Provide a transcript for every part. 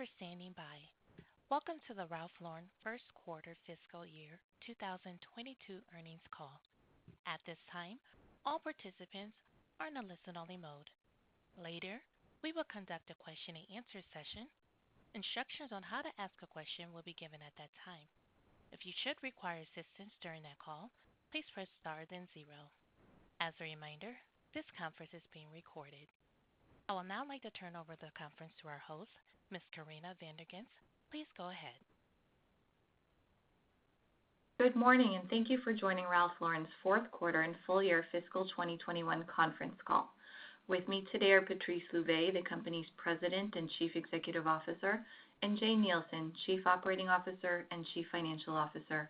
Thank you for standing by. Welcome to the Ralph Lauren Q1 Fiscal Year 2022 Earnings Call. At this time, all participants are in a listen only mode. Later, we will conduct a question and answer session. Instructions on how to ask a question will be given at that time. If you should require assistance during that call, please press *0. As a reminder, this conference is being recorded. I will now like to turn over the conference to our host, Ms. Corinna Van der Ghinst. Please go ahead. Thank you for joining Ralph Lauren's Q1 and Full Year Fiscal 2021 Conference Call. With me today are Patrice Louvet, the company's President and Chief Executive Officer, and Jane Nielsen, Chief Operating Officer and Chief Financial Officer.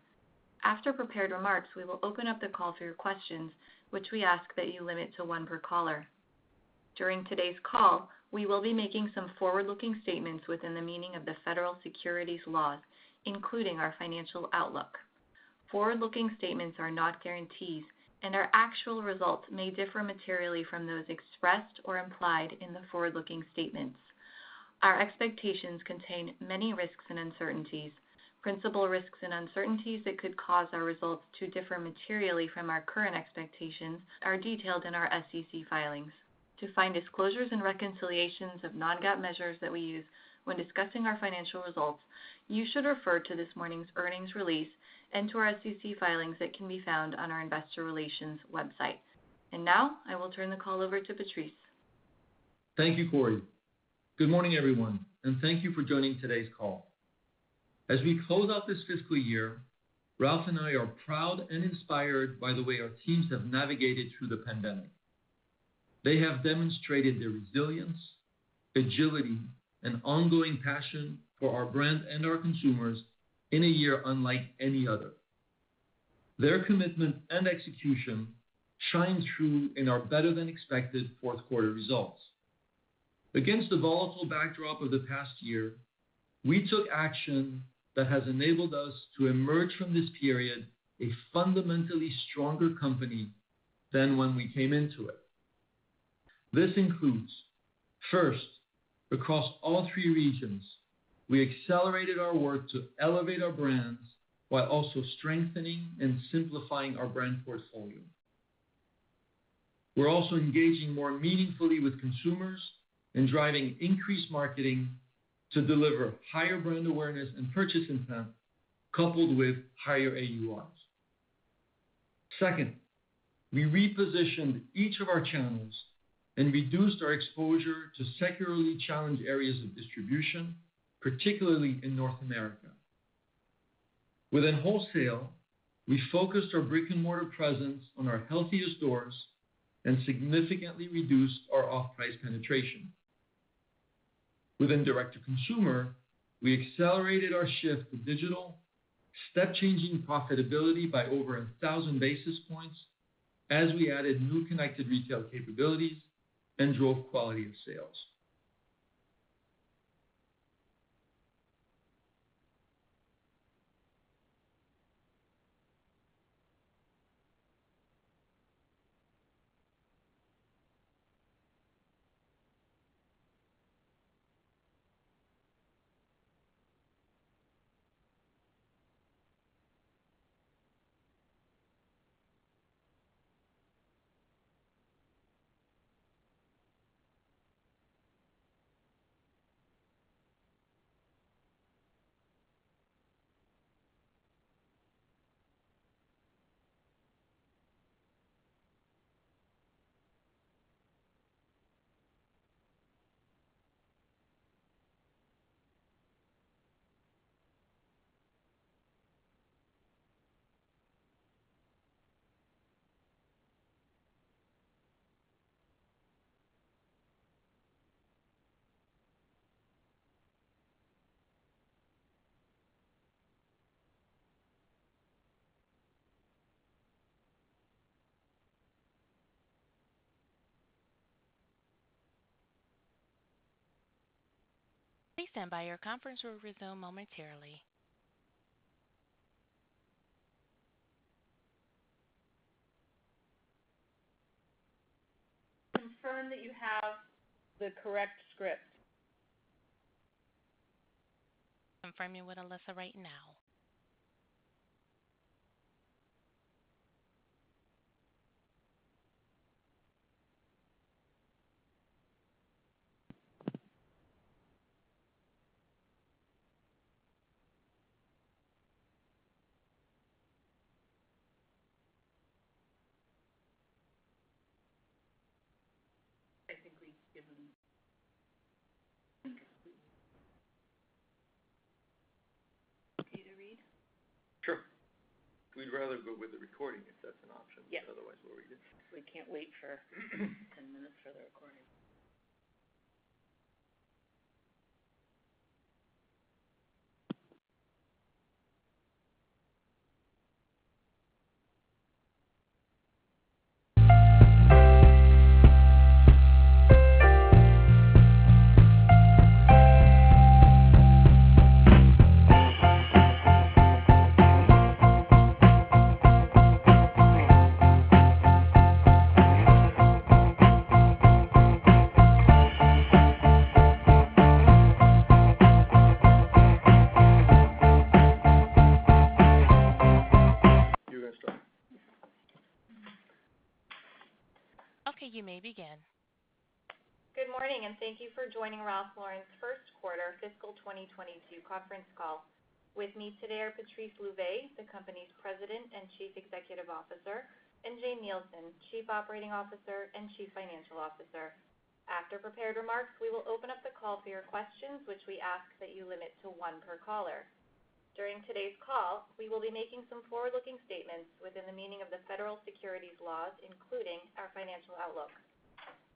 After prepared remarks, we will open up the call to your questions, which we ask that you limit to one per caller. During today's call, we will be making some forward-looking statements within the meaning of the Federal Securities laws, including our financial outlook. Forward-looking statements are not guarantees. Our actual results may differ materially from those expressed or implied in the forward-looking statements. Our expectations contain many risks and uncertainties. Principal risks and uncertainties that could cause our results to differ materially from our current expectations are detailed in our SEC filings. To find disclosures and reconciliations of non-GAAP measures that we use when discussing our financial results, you should refer to this morning's earnings release and to our SEC filings that can be found on our Investor Relations website. Now, I will turn the call over to Patrice. Thank you, Corie. Good morning, everyone, and thank you for joining today's call. As we close out this fiscal year, Ralph and I are proud and inspired by the way our teams have navigated through the pandemic. They have demonstrated their resilience, agility, and ongoing passion for our brand and our consumers in a year unlike any other. Their commitment and execution shine through in our better than expected Q4 results. Against the volatile backdrop of the past year, we took action that has enabled us to emerge from this period a fundamentally stronger company than when we came into it. This includes, first, across all three regions, we accelerated our work to elevate our brands while also strengthening and simplifying our brand portfolio. We're also engaging more meaningfully with consumers and driving increased marketing to deliver higher brand awareness and purchase intent, coupled with higher AURs. Second, we repositioned each of our channels and reduced our exposure to secularly challenged areas of distribution, particularly in North America. Within wholesale, we focused our brick and mortar presence on our healthiest stores and significantly reduced our off-price penetration. Within direct to consumer, we accelerated our shift to digital, step changing profitability by over 1,000 basis points as we added new connected retail capabilities and drove quality of sales. Please stand by. Your conference will resume momentarily. Good morning, and thank you for joining Ralph Lauren's Q1 fiscal 2022 conference call. With me today are Patrice Louvet, the company's President and Chief Executive Officer, and Jane Nielsen, Chief Operating Officer and Chief Financial Officer. After prepared remarks, we will open up the call for your questions, which we ask that you limit to one per caller. During today's call, we will be making some forward-looking statements within the meaning of the Federal Securities Laws, including our financial outlook.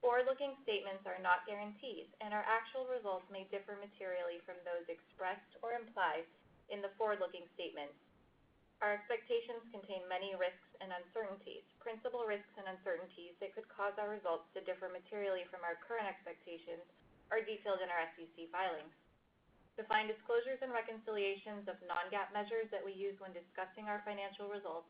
Forward-looking statements are not guarantees, and our actual results may differ materially from those expressed or implied in the forward-looking statements. Our expectations contain many risks and uncertainties. Principal risks and uncertainties that could cause our results to differ materially from our current expectations are detailed in our SEC filings. To find disclosures and reconciliations of non-GAAP measures that we use when discussing our financial results,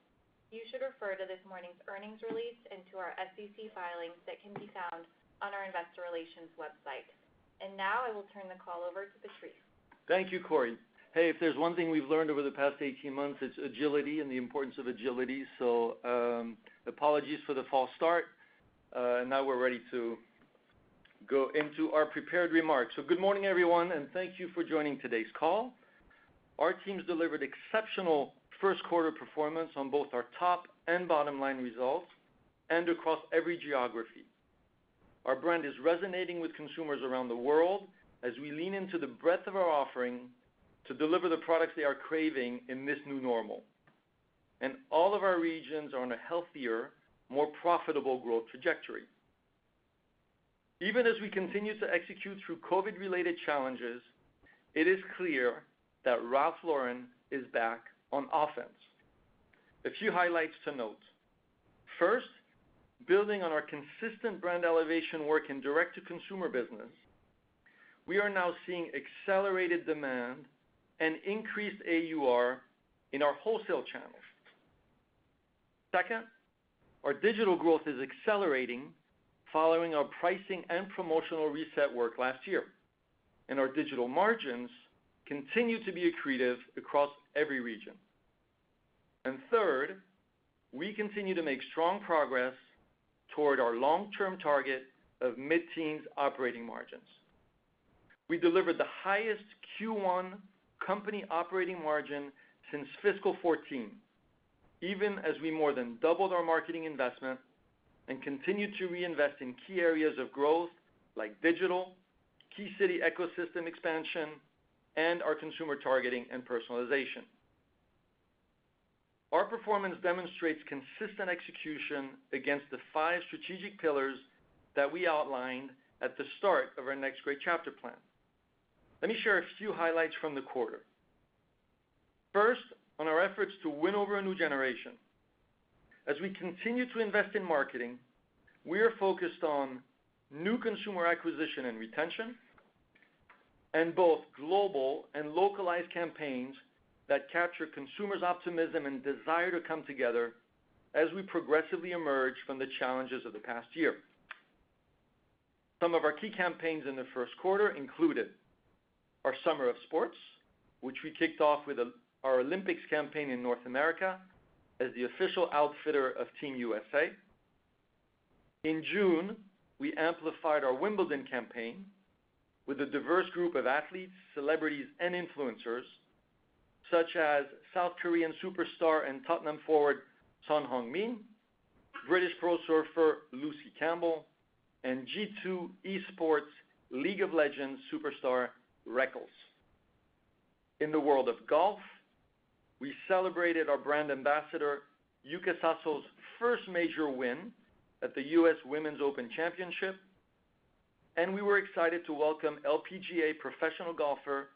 you should refer to this morning's earnings release and to our SEC filings that can be found on our Investor Relations website. Now I will turn the call over to Patrice. Thank you, Corie. Hey, if there's one thing we've learned over the past 18 months, it's agility and the importance of agility, so apologies for the false start. We're ready to go into our prepared remarks. Good morning, everyone, and thank you for joining today's call. Our teams delivered exceptional Q1 performance on both our top and bottom-line results and across every geography. Our brand is resonating with consumers around the world as we lean into the breadth of our offering to deliver the products they are craving in this new normal. All of our regions are on a healthier, more profitable growth trajectory. Even as we continue to execute through COVID-related challenges, it is clear that Ralph Lauren is back on offense. A few highlights to note. First, building on our consistent brand elevation work in direct-to-consumer business, we are now seeing accelerated demand and increased AUR in our wholesale channels. Second, our digital growth is accelerating following our pricing and promotional reset work last year. Our digital margins continue to be accretive across every region. Third, we continue to make strong progress toward our long-term target of mid-teens operating margins. We delivered the highest Q1 company operating margin since fiscal 2014, even as we more than doubled our marketing investment and continued to reinvest in key areas of growth like digital, key city ecosystem expansion, and our consumer targeting and personalization. Our performance demonstrates consistent execution against the five strategic pillars that we outlined at the start of our Next Great Chapter plan. Let me share a few highlights from the quarter. First, on our efforts to win over a new generation. As we continue to invest in marketing, we are focused on new consumer acquisition and retention, and both global and localized campaigns that capture consumers' optimism and desire to come together as we progressively emerge from the challenges of the past year. Some of our key campaigns in the Q1 included our Summer of Sports, which we kicked off with our Olympics campaign in North America as the official outfitter of Team USA. In June, we amplified our Wimbledon campaign with a diverse group of athletes, celebrities, and influencers, such as South Korean superstar and Tottenham forward Son Heung-min, British pro surfer Lucy Campbell, and G2 Esports League of Legends superstar Rekkles. In the world of golf, we celebrated our brand ambassador Yuka Saso's first major win at the U.S. Women's Open, we were excited to welcome LPGA professional golfer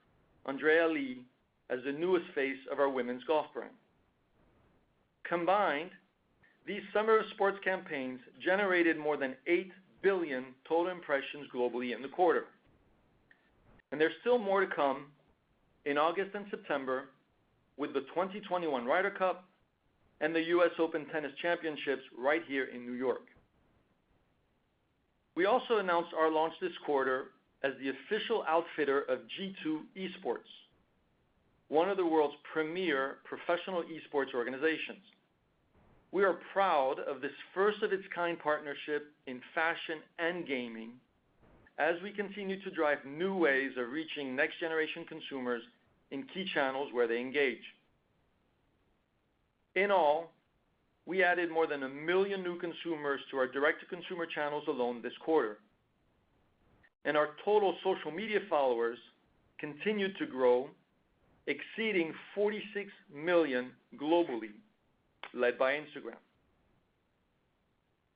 Andrea Lee as the newest face of our women's golf brand. Combined, these summer sports campaigns generated more than 8 billion total impressions globally in the quarter. There's still more to come in August and September with the 2021 Ryder Cup and the U.S. Open Tennis Championships right here in New York. We also announced our launch this quarter as the official outfitter of G2 Esports, one of the world's premier professional esports organizations. We are proud of this first-of-its-kind partnership in fashion and gaming as we continue to drive new ways of reaching next-generation consumers in key channels where they engage. In all, we added more than 1 million new consumers to our direct-to-consumer channels alone this quarter, and our total social media followers continue to grow, exceeding 46 million globally, led by Instagram.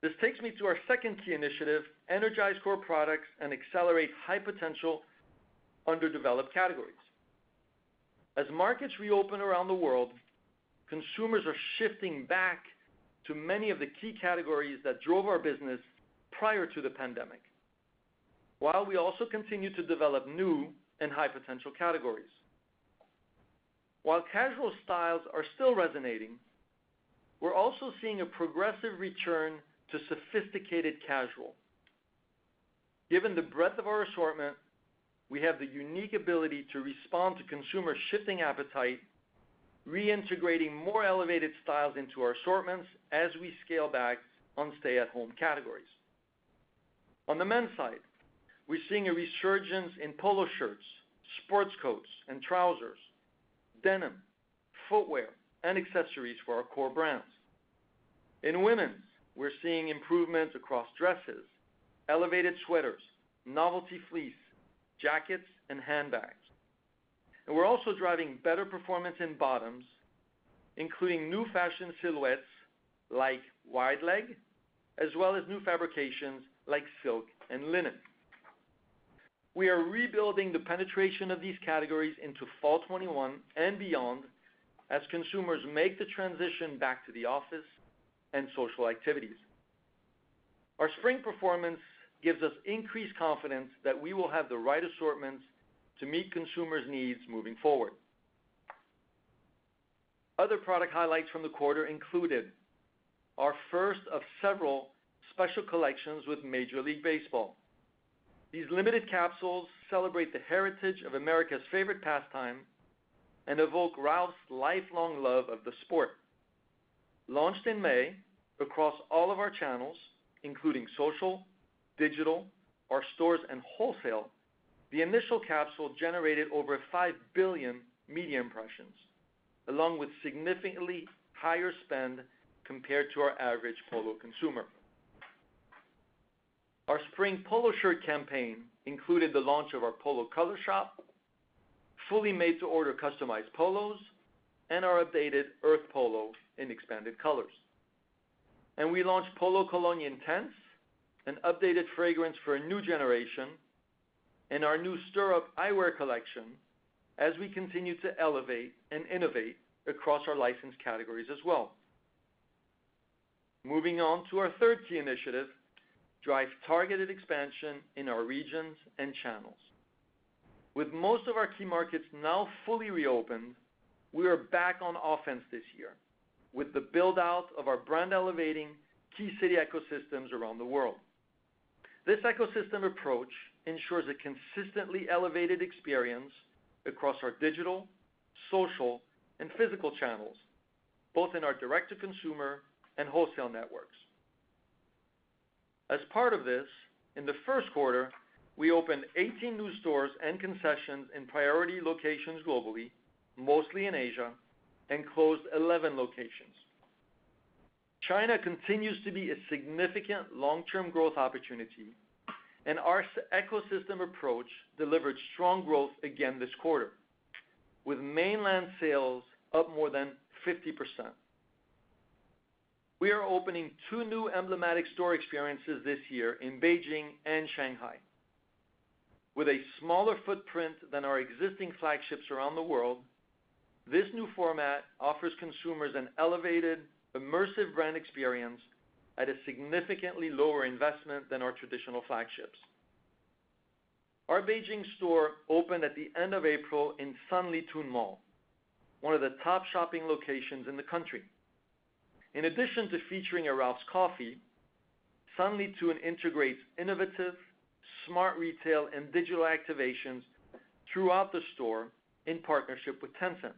This takes me to our second key initiative, energize core products and accelerate high-potential underdeveloped categories. As markets reopen around the world, consumers are shifting back to many of the key categories that drove our business prior to the pandemic, while we also continue to develop new and high-potential categories. Casual styles are still resonating, we're also seeing a progressive return to sophisticated casual. Given the breadth of our assortment, we have the unique ability to respond to consumer shifting appetite, reintegrating more elevated styles into our assortments as we scale back on stay-at-home categories. On the men's side, we're seeing a resurgence in Polo shirts, sport coats and trousers, denim, footwear, and accessories for our core brands. In women's, we're seeing improvements across dresses, elevated sweaters, novelty fleece, jackets, and handbags. We're also driving better performance in bottoms, including new fashion silhouettes like wide leg, as well as new fabrications like silk and linen. We are rebuilding the penetration of these categories into fall 2021 and beyond as consumers make the transition back to the office and social activities. Our spring performance gives us increased confidence that we will have the right assortments to meet consumers' needs moving forward. Other product highlights from the quarter included our first of several special collections with Major League Baseball. These limited capsules celebrate the heritage of America's favorite pastime and evoke Ralph's lifelong love of the sport. Launched in May across all of our channels, including social, digital, our stores, and wholesale, the initial capsule generated over 5 billion media impressions, along with significantly higher spend compared to our average Polo consumer. Our spring Polo shirt campaign included the launch of our Polo Color Shop, fully made to order customized polos, and our updated Earth Polo in expanded colors. We launched Polo Cologne Intense, an updated fragrance for a new generation, and our new Stirrup eyewear collection as we continue to elevate and innovate across our licensed categories as well. Moving on to our third key initiative, drive targeted expansion in our regions and channels. With most of our key markets now fully reopened, we are back on offense this year with the build-out of our brand-elevating key city ecosystems around the world. This ecosystem approach ensures a consistently elevated experience across our digital, social, and physical channels, both in our direct-to-consumer and wholesale networks. As part of this, in the Q1, we opened 18 new stores and concessions in priority locations globally, mostly in Asia, and closed 11 locations. China continues to be a significant long-term growth opportunity, and our ecosystem approach delivered strong growth again this quarter, with mainland sales up more than 50%. We are opening two new emblematic store experiences this year in Beijing and Shanghai. With a smaller footprint than our existing flagships around the world, this new format offers consumers an elevated, immersive brand experience at a significantly lower investment than our traditional flagships. Our Beijing store opened at the end of April in Sanlitun Mall, one of the top shopping locations in the country. In addition to featuring a Ralph's Coffee, Sanlitun integrates innovative, smart retail, and digital activations throughout the store in partnership with Tencent.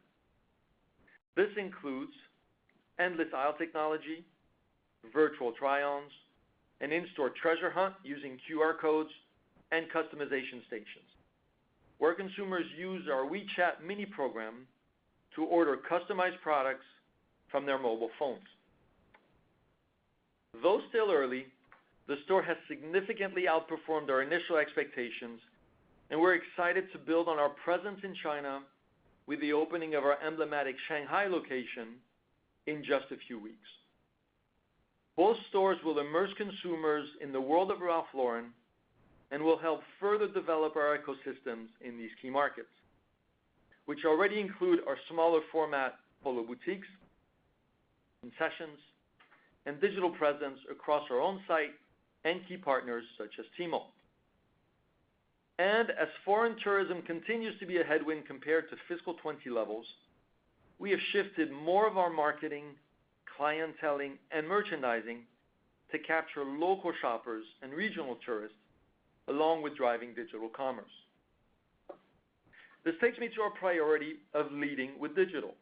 This includes endless aisle technology, virtual try-ons, an in-store treasure hunt using QR codes, and customization stations, where consumers use our WeChat mini program to order customized products from their mobile phones. Though still early, the store has significantly outperformed our initial expectations, and we're excited to build on our presence in China with the opening of our emblematic Shanghai location in just a few weeks. Both stores will immerse consumers in the world of Ralph Lauren and will help further develop our ecosystems in these key markets, which already include our smaller format Polo boutiques, concessions, and digital presence across our own site and key partners such as Tmall. As foreign tourism continues to be a headwind compared to fiscal 2020 levels, we have shifted more of our marketing, clienteling, and merchandising to capture local shoppers and regional tourists, along with driving digital commerce. This takes me to our priority of leading with digital.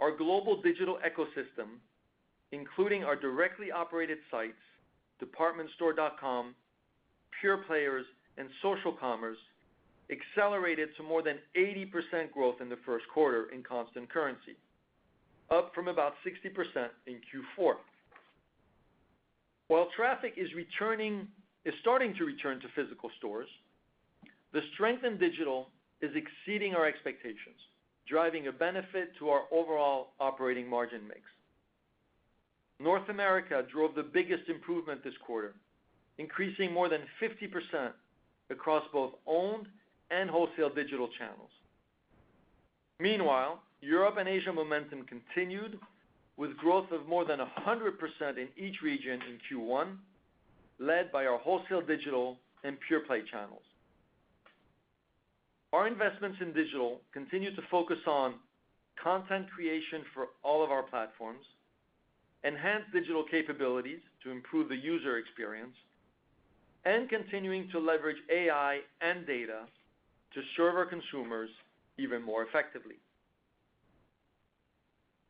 Our global digital ecosystem, including our directly operated sites, department store dot-coms, pure players, and social commerce, accelerated to more than 80% growth in the Q1 in constant currency, up from about 60% in Q4. While traffic is starting to return to physical stores, the strength in digital is exceeding our expectations, driving a benefit to our overall operating margin mix. North America drove the biggest improvement this quarter, increasing more than 50% across both owned and wholesale digital channels. Meanwhile, Europe and Asia momentum continued with growth of more than 100% in each region in Q1, led by our wholesale digital and pure-play channels. Our investments in digital continue to focus on content creation for all of our platforms, enhance digital capabilities to improve the user experience, and continuing to leverage AI and data to serve our consumers even more effectively.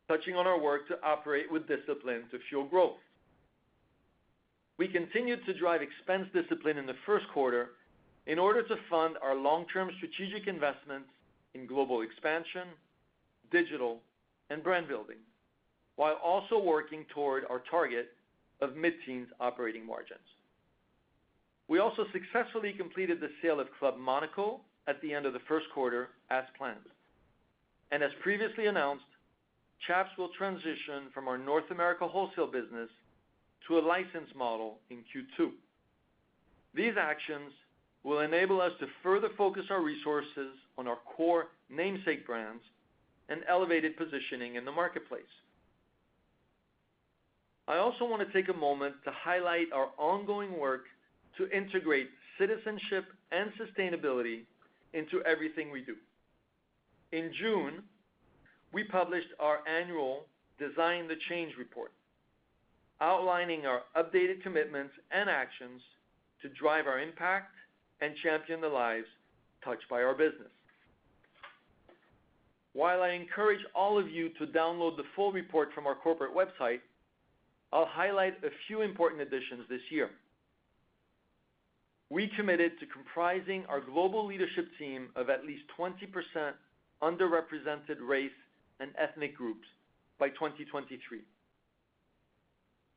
Touching on our work to operate with discipline to fuel growth. We continued to drive expense discipline in the Q1 in order to fund our long-term strategic investments in global expansion, digital, and brand building, while also working toward our target of mid-teens operating margins. We also successfully completed the sale of Club Monaco at the end of the Q1 as planned. As previously announced, Chaps will transition from our North America wholesale business to a license model in Q2. These actions will enable us to further focus our resources on our core namesake brands and elevated positioning in the marketplace. I also want to take a moment to highlight our ongoing work to integrate citizenship and sustainability into everything we do. In June, we published our annual Design the Change report, outlining our updated commitments and actions to drive our impact and champion the lives touched by our business. While I encourage all of you to download the full report from our corporate website, I'll highlight a few important additions this year. We committed to comprising our global leadership team of at least 20% underrepresented race and ethnic groups by 2023.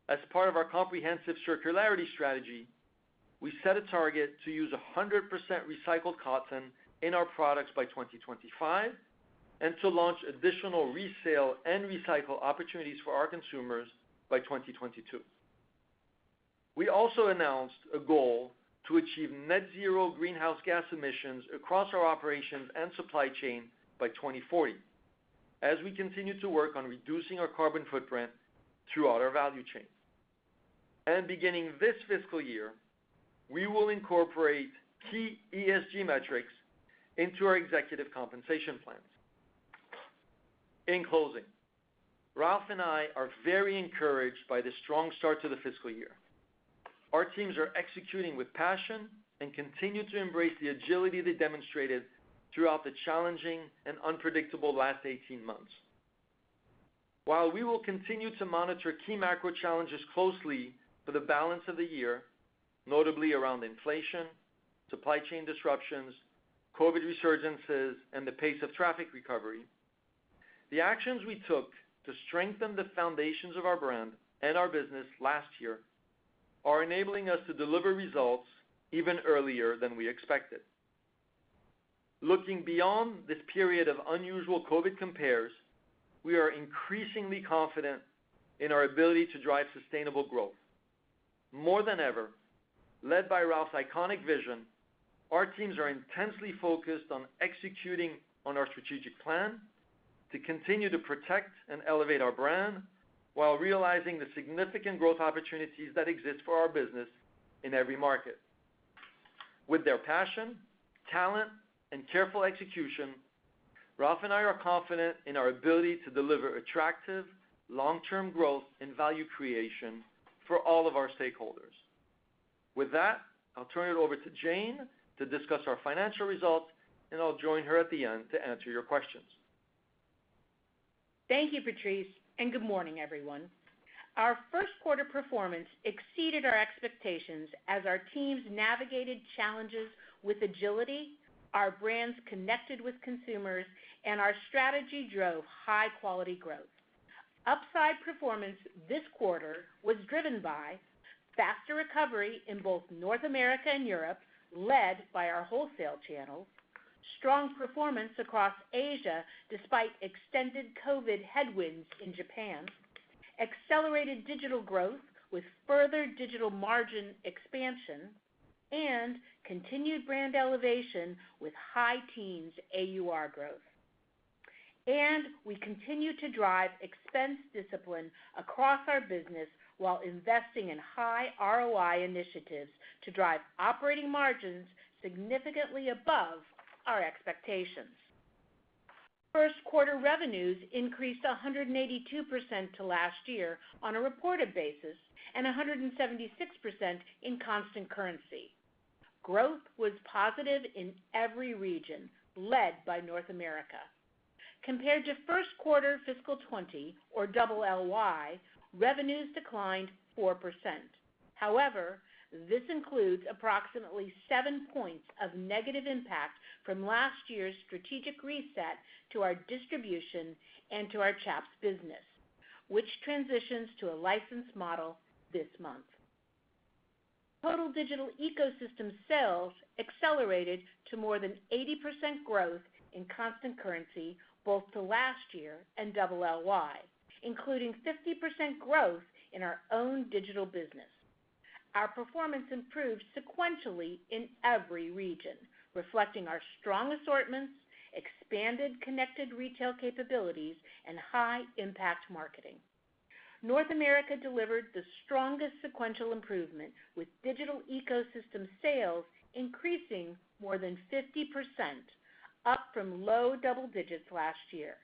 As part of our comprehensive circularity strategy, we set a target to use 100% recycled cotton in our products by 2025, and to launch additional resale and recycle opportunities for our consumers by 2022. We also announced a goal to achieve net zero greenhouse gas emissions across our operations and supply chain by 2040 as we continue to work on reducing our carbon footprint throughout our value chain. Beginning this fiscal year, we will incorporate key ESG metrics into our executive compensation plans. In closing, Ralph and I are very encouraged by the strong start to the fiscal year. Our teams are executing with passion and continue to embrace the agility they demonstrated throughout the challenging and unpredictable last 18 months. While we will continue to monitor key macro challenges closely for the balance of the year, notably around inflation, supply chain disruptions, COVID resurgences, and the pace of traffic recovery, the actions we took to strengthen the foundations of our brand and our business last year are enabling us to deliver results even earlier than we expected. Looking beyond this period of unusual COVID compares, we are increasingly confident in our ability to drive sustainable growth. More than ever, led by Ralph's iconic vision, our teams are intensely focused on executing on our strategic plan to continue to protect and elevate our brand while realizing the significant growth opportunities that exist for our business in every market. With their passion, talent, and careful execution, Ralph and I are confident in our ability to deliver attractive long-term growth and value creation for all of our stakeholders. With that, I'll turn it over to Jane to discuss our financial results, and I'll join her at the end to answer your questions. Thank you, Patrice, good morning, everyone. Our Q1 performance exceeded our expectations as our teams navigated challenges with agility, our brands connected with consumers, and our strategy drove high-quality growth. Upside performance this quarter was driven by faster recovery in both North America and Europe, led by our wholesale channel, strong performance across Asia despite extended COVID headwinds in Japan, accelerated digital growth with further digital margin expansion, and continued brand elevation with high teens AUR growth. We continue to drive expense discipline across our business while investing in high ROI initiatives to drive operating margins significantly above our expectations. Q1 revenues increased 182% to last year on a reported basis and 176% in constant currency. Growth was positive in every region, led by North America. Compared to Q1 fiscal 2020, or LLY, revenues declined 4%. However, this includes approximately 7 points of negative impact from last year's strategic reset to our distribution and to our Chaps business, which transitions to a license model this month. Total digital ecosystem sales accelerated to more than 80% growth in constant currency both to last year and LLY, including 50% growth in our own digital business. Our performance improved sequentially in every region, reflecting our strong assortments, expanded connected retail capabilities, and high-impact marketing. North America delivered the strongest sequential improvement, with digital ecosystem sales increasing more than 50%, up from low double digits last year.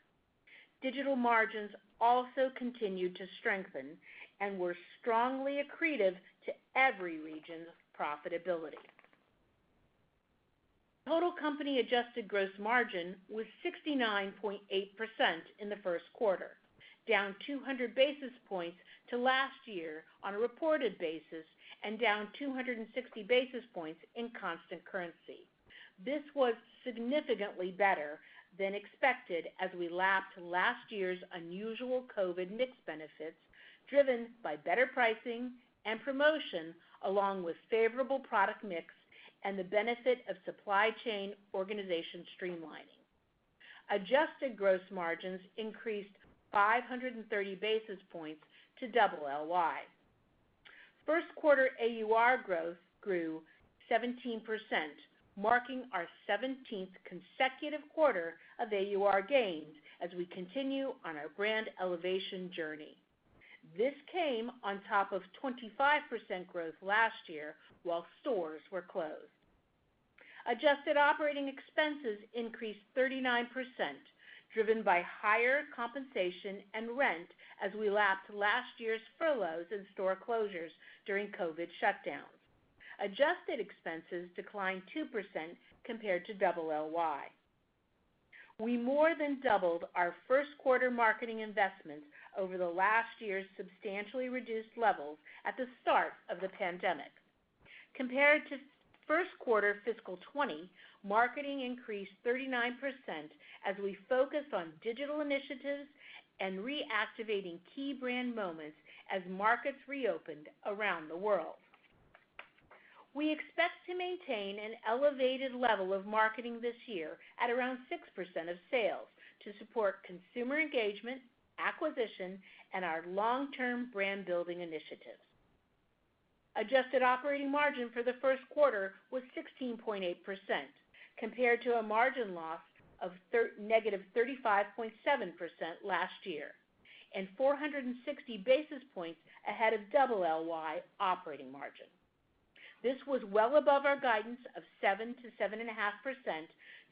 Digital margins also continued to strengthen and were strongly accretive to every region's profitability. Total company adjusted gross margin was 69.8% in the Q1, down 200 basis points to last year on a reported basis and down 260 basis points in constant currency. This was significantly better than expected as we lapped last year's unusual COVID mix benefits, driven by better pricing and promotion, along with favorable product mix and the benefit of supply chain organization streamlining. Adjusted gross margins increased 530 basis points to LLY. Q1 AUR growth grew 17%, marking our 17th consecutive quarter of AUR gains as we continue on our brand elevation journey. This came on top of 25% growth last year while stores were closed. Adjusted operating expenses increased 39%, driven by higher compensation and rent as we lapped last year's furloughs and store closures during COVID shutdowns. Adjusted expenses declined 2% compared to LLY. We more than doubled our Q1 marketing investments over the last year's substantially reduced levels at the start of the pandemic. Compared to Q1 fiscal 2020, marketing increased 39% as we focus on digital initiatives and reactivating key brand moments as markets reopened around the world. We expect to maintain an elevated level of marketing this year at around 6% of sales to support consumer engagement, acquisition, and our long-term brand-building initiatives. Adjusted operating margin for the Q1 was 16.8%, compared to a margin loss of -35.7% last year, 460 basis points ahead of LLY operating margin. This was well above our guidance of 7%-7.5%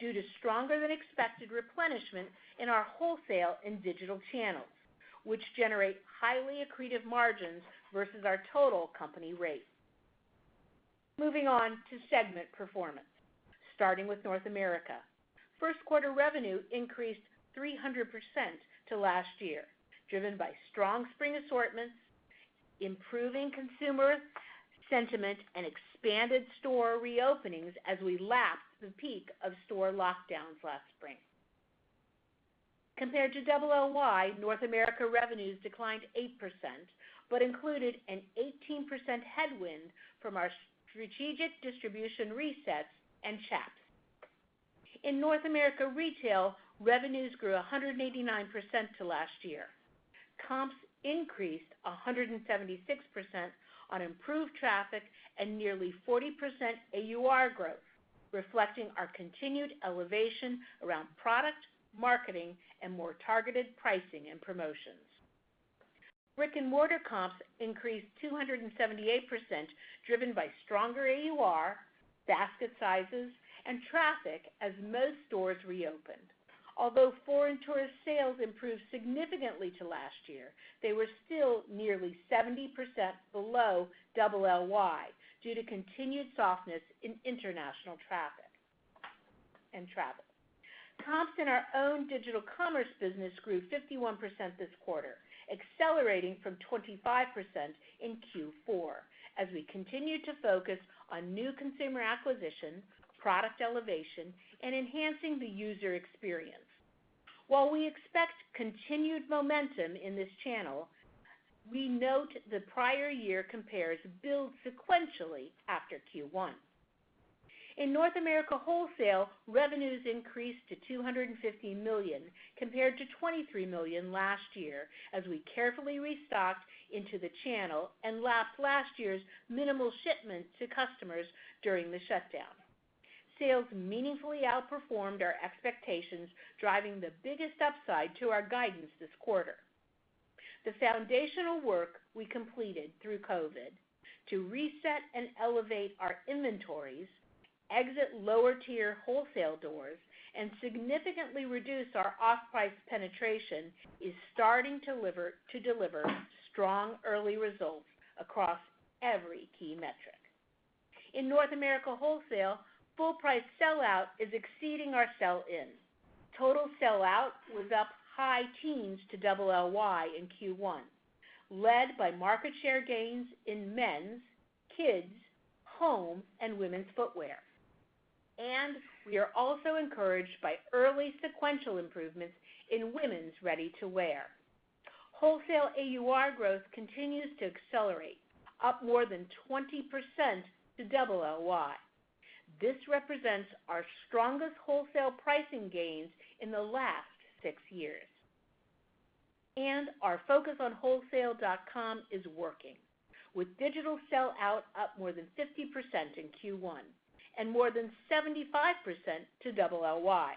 due to stronger than expected replenishment in our wholesale and digital channels, which generate highly accretive margins versus our total company rate. Moving on to segment performance. Starting with North America. Q1 revenue increased 300% to last year, driven by strong spring assortments, improving consumer sentiment, and expanded store reopenings as we lapped the peak of store lockdowns last spring. Compared to LLY, North America revenues declined 8%, included an 18% headwind from our strategic distribution resets and Chaps. In North America retail, revenues grew 189% to last year. Comps increased 176% on improved traffic and nearly 40% AUR growth, reflecting our continued elevation around product, marketing, and more targeted pricing and promotions. Brick-and-mortar comps increased 278%, driven by stronger AUR, basket sizes, and traffic as most stores reopened. Foreign tourist sales improved significantly to last year, they were still nearly 70% below LLY due to continued softness in international traffic and travel. Comps in our own digital commerce business grew 51% this quarter, accelerating from 25% in Q4 as we continue to focus on new consumer acquisition, product elevation, and enhancing the user experience. While we expect continued momentum in this channel, we note the prior year compares build sequentially after Q1. In North America Wholesale, revenues increased to $250 million compared to $23 million last year as we carefully restocked into the channel and lapped last year's minimal shipments to customers during the shutdown. Sales meaningfully outperformed our expectations, driving the biggest upside to our guidance this quarter. The foundational work we completed through COVID to reset and elevate our inventories, exit lower-tier wholesale doors, and significantly reduce our off-price penetration is starting to deliver strong early results across every key metric. In North America Wholesale, full price sell-out is exceeding our sell-in. Total sell-out was up high teens to LLY in Q1, led by market share gains in men's, kids, home, and women's footwear. We are also encouraged by early sequential improvements in women's ready-to-wear. Wholesale AUR growth continues to accelerate, up more than 20% to LLY. This represents our strongest wholesale pricing gains in the last six years. Our focus on wholesale.com is working, with digital sell-out up more than 50% in Q1 and more than 75% to LLY.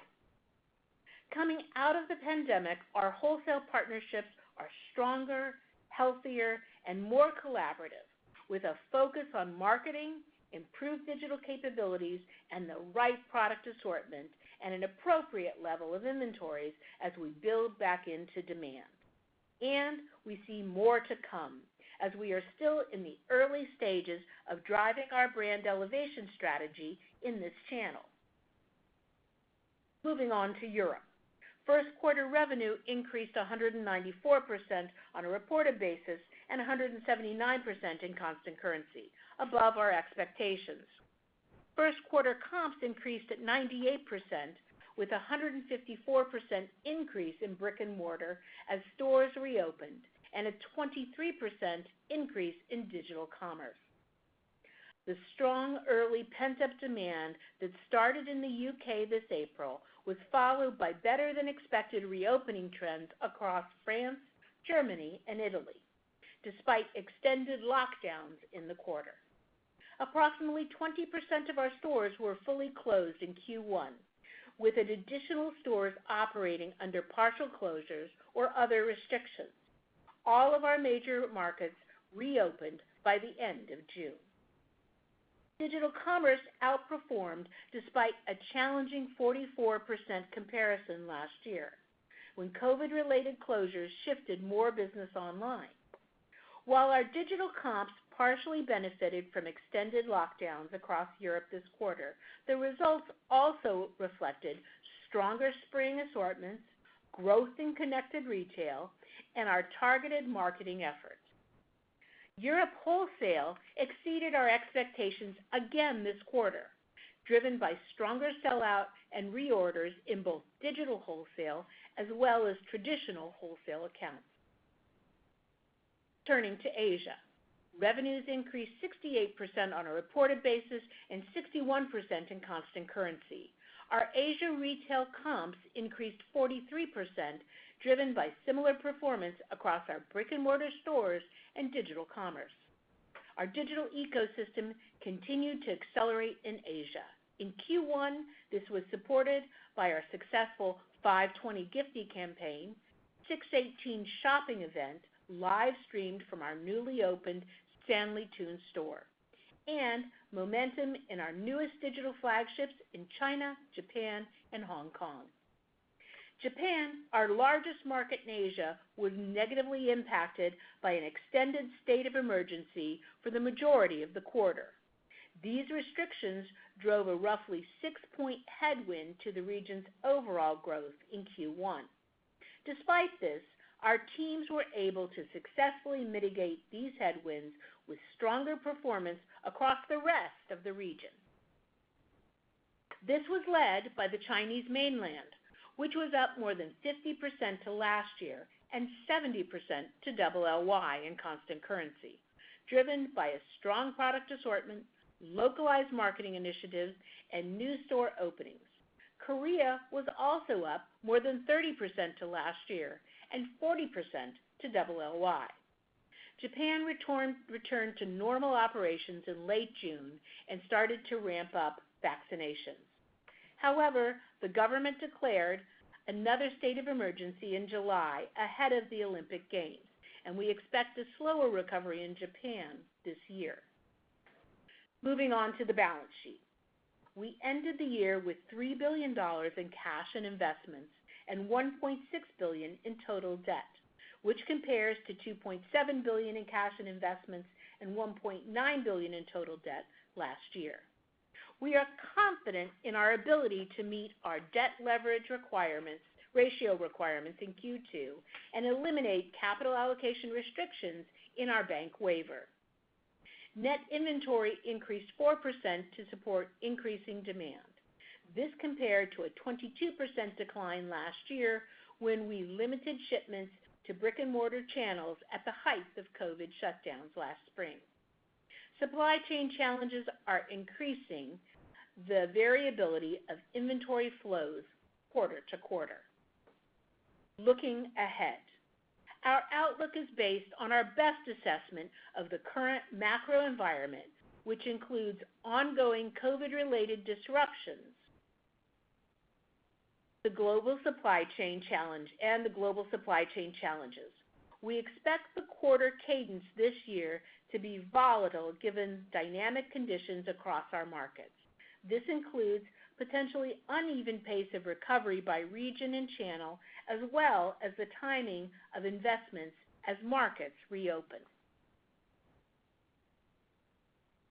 Coming out of the pandemic, our wholesale partnerships are stronger, healthier, and more collaborative, with a focus on marketing, improved digital capabilities, and the right product assortment, and an appropriate level of inventories as we build back into demand. We see more to come as we are still in the early stages of driving our brand elevation strategy in this channel. Moving on to Europe. Q1 revenue increased 194% on a reported basis and 179% in constant currency, above our expectations. Q1 comps increased at 98%, with 154% increase in brick and mortar as stores reopened, and a 23% increase in digital commerce. The strong early pent-up demand that started in the U.K. this April was followed by better than expected reopening trends across France, Germany, and Italy, despite extended lockdowns in the quarter. Approximately 20% of our stores were fully closed in Q1, with an additional stores operating under partial closures or other restrictions. All of our major markets reopened by the end of June. Digital commerce outperformed despite a challenging 44% comparison last year, when COVID-related closures shifted more business online. While our digital comps partially benefited from extended lockdowns across Europe this quarter, the results also reflected stronger spring assortments, growth in connected retail, and our targeted marketing efforts. Europe wholesale exceeded our expectations again this quarter, driven by stronger sell-out and reorders in both digital wholesale as well as traditional wholesale accounts. Turning to Asia. Revenues increased 68% on a reported basis and 61% in constant currency. Our Asia retail comps increased 43%, driven by similar performance across our brick and mortar stores and digital commerce. Our digital ecosystem continued to accelerate in Asia. In Q1, this was supported by our successful 520 gifting campaign, 618 shopping festival live-streamed from our newly opened Sanlitun store, and momentum in our newest digital flagships in China, Japan, and Hong Kong. Japan, our largest market in Asia, was negatively impacted by an extended state of emergency for the majority of the quarter. These restrictions drove a roughly six-point headwind to the region's overall growth in Q1. Despite this, our teams were able to successfully mitigate these headwinds with stronger performance across the rest of the region. This was led by the Chinese mainland, which was up more than 50% to last year, and 70% to LLY in constant currency, driven by a strong product assortment, localized marketing initiatives, and new store openings. Korea was also up more than 30% to last year and 40% to LLY. Japan returned to normal operations in late June and started to ramp up vaccinations. However, the government declared another state of emergency in July ahead of the Olympic Games, and we expect a slower recovery in Japan this year. Moving on to the balance sheet. We ended the year with $3 billion in cash and investments and $1.6 billion in total debt, which compares to $2.7 billion in cash and investments and $1.9 billion in total debt last year. We are confident in our ability to meet our debt leverage ratio requirements in Q2 and eliminate capital allocation restrictions in our bank waiver. Net inventory increased 4% to support increasing demand. This compared to a 22% decline last year when we limited shipments to brick and mortar channels at the height of COVID shutdowns last spring. Supply chain challenges are increasing the variability of inventory flows quarter to quarter. Looking ahead, our outlook is based on our best assessment of the current macro environment, which includes ongoing COVID-related disruptions, the global supply chain challenges. We expect the quarter cadence this year to be volatile given dynamic conditions across our markets. This includes potentially uneven pace of recovery by region and channel, as well as the timing of investments as markets reopen.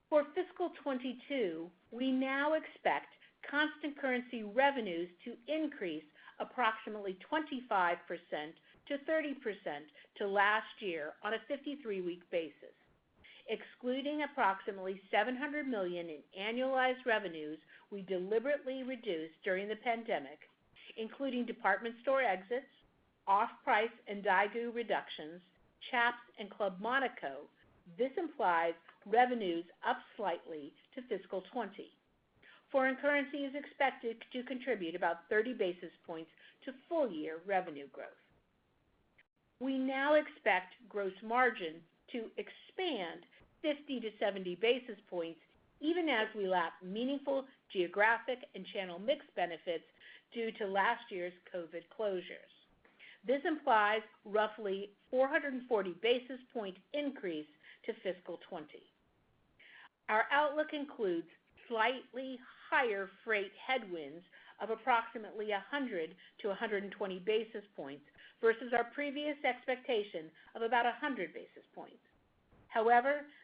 For fiscal 2022, we now expect constant currency revenues to increase approximately 25%-30% to last year on a 53-week basis. Excluding approximately $700 million in annualized revenues we deliberately reduced during the pandemic, including department store exits, off-price and Daigou reductions, Chaps and Club Monaco, this implies revenues up slightly to fiscal 2020. Foreign currency is expected to contribute about 30 basis points to full-year revenue growth. We now expect gross margin to expand 50-70 basis points even as we lap meaningful geographic and channel mix benefits due to last year's COVID closures. This implies roughly 440 basis point increase to fiscal 2020. Our outlook includes slightly higher freight headwinds of approximately 100-120 basis points versus our previous expectation of about 100 basis points.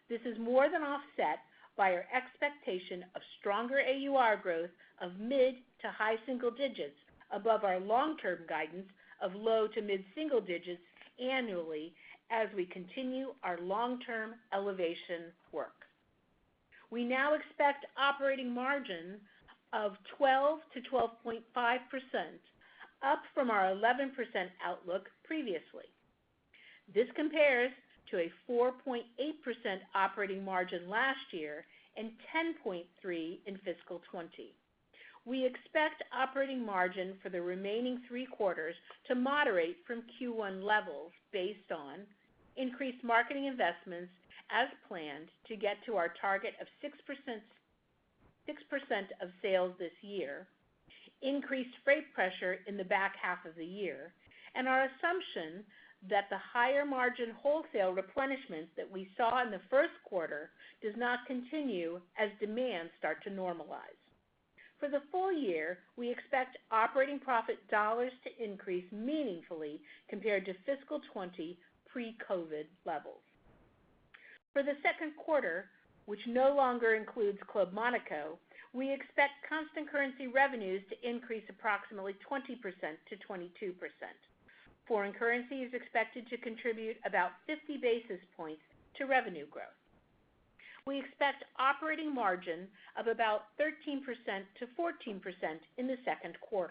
This is more than offset by our expectation of stronger AUR growth of mid- to high-single digits above our long-term guidance of low- to mid-single digits annually as we continue our long-term elevation work. We now expect operating margins of 12%-12.5%, up from our 11% outlook previously. This compares to a 4.8% operating margin last year and 10.3% in fiscal 2020. We expect operating margin for the remaining three quarters to moderate from Q1 levels based on increased marketing investments as planned to get to our target of 6% of sales this year, increased freight pressure in the back half of the year, and our assumption that the higher margin wholesale replenishment that we saw in Q1 does not continue as demands start to normalize. For the full year, we expect operating profit dollars to increase meaningfully compared to fiscal 2020 pre-COVID levels. For the Q2, which no longer includes Club Monaco, we expect constant currency revenues to increase approximately 20%-22%. Foreign currency is expected to contribute about 50 basis points to revenue growth. We expect operating margin of about 13%-14% in the Q2.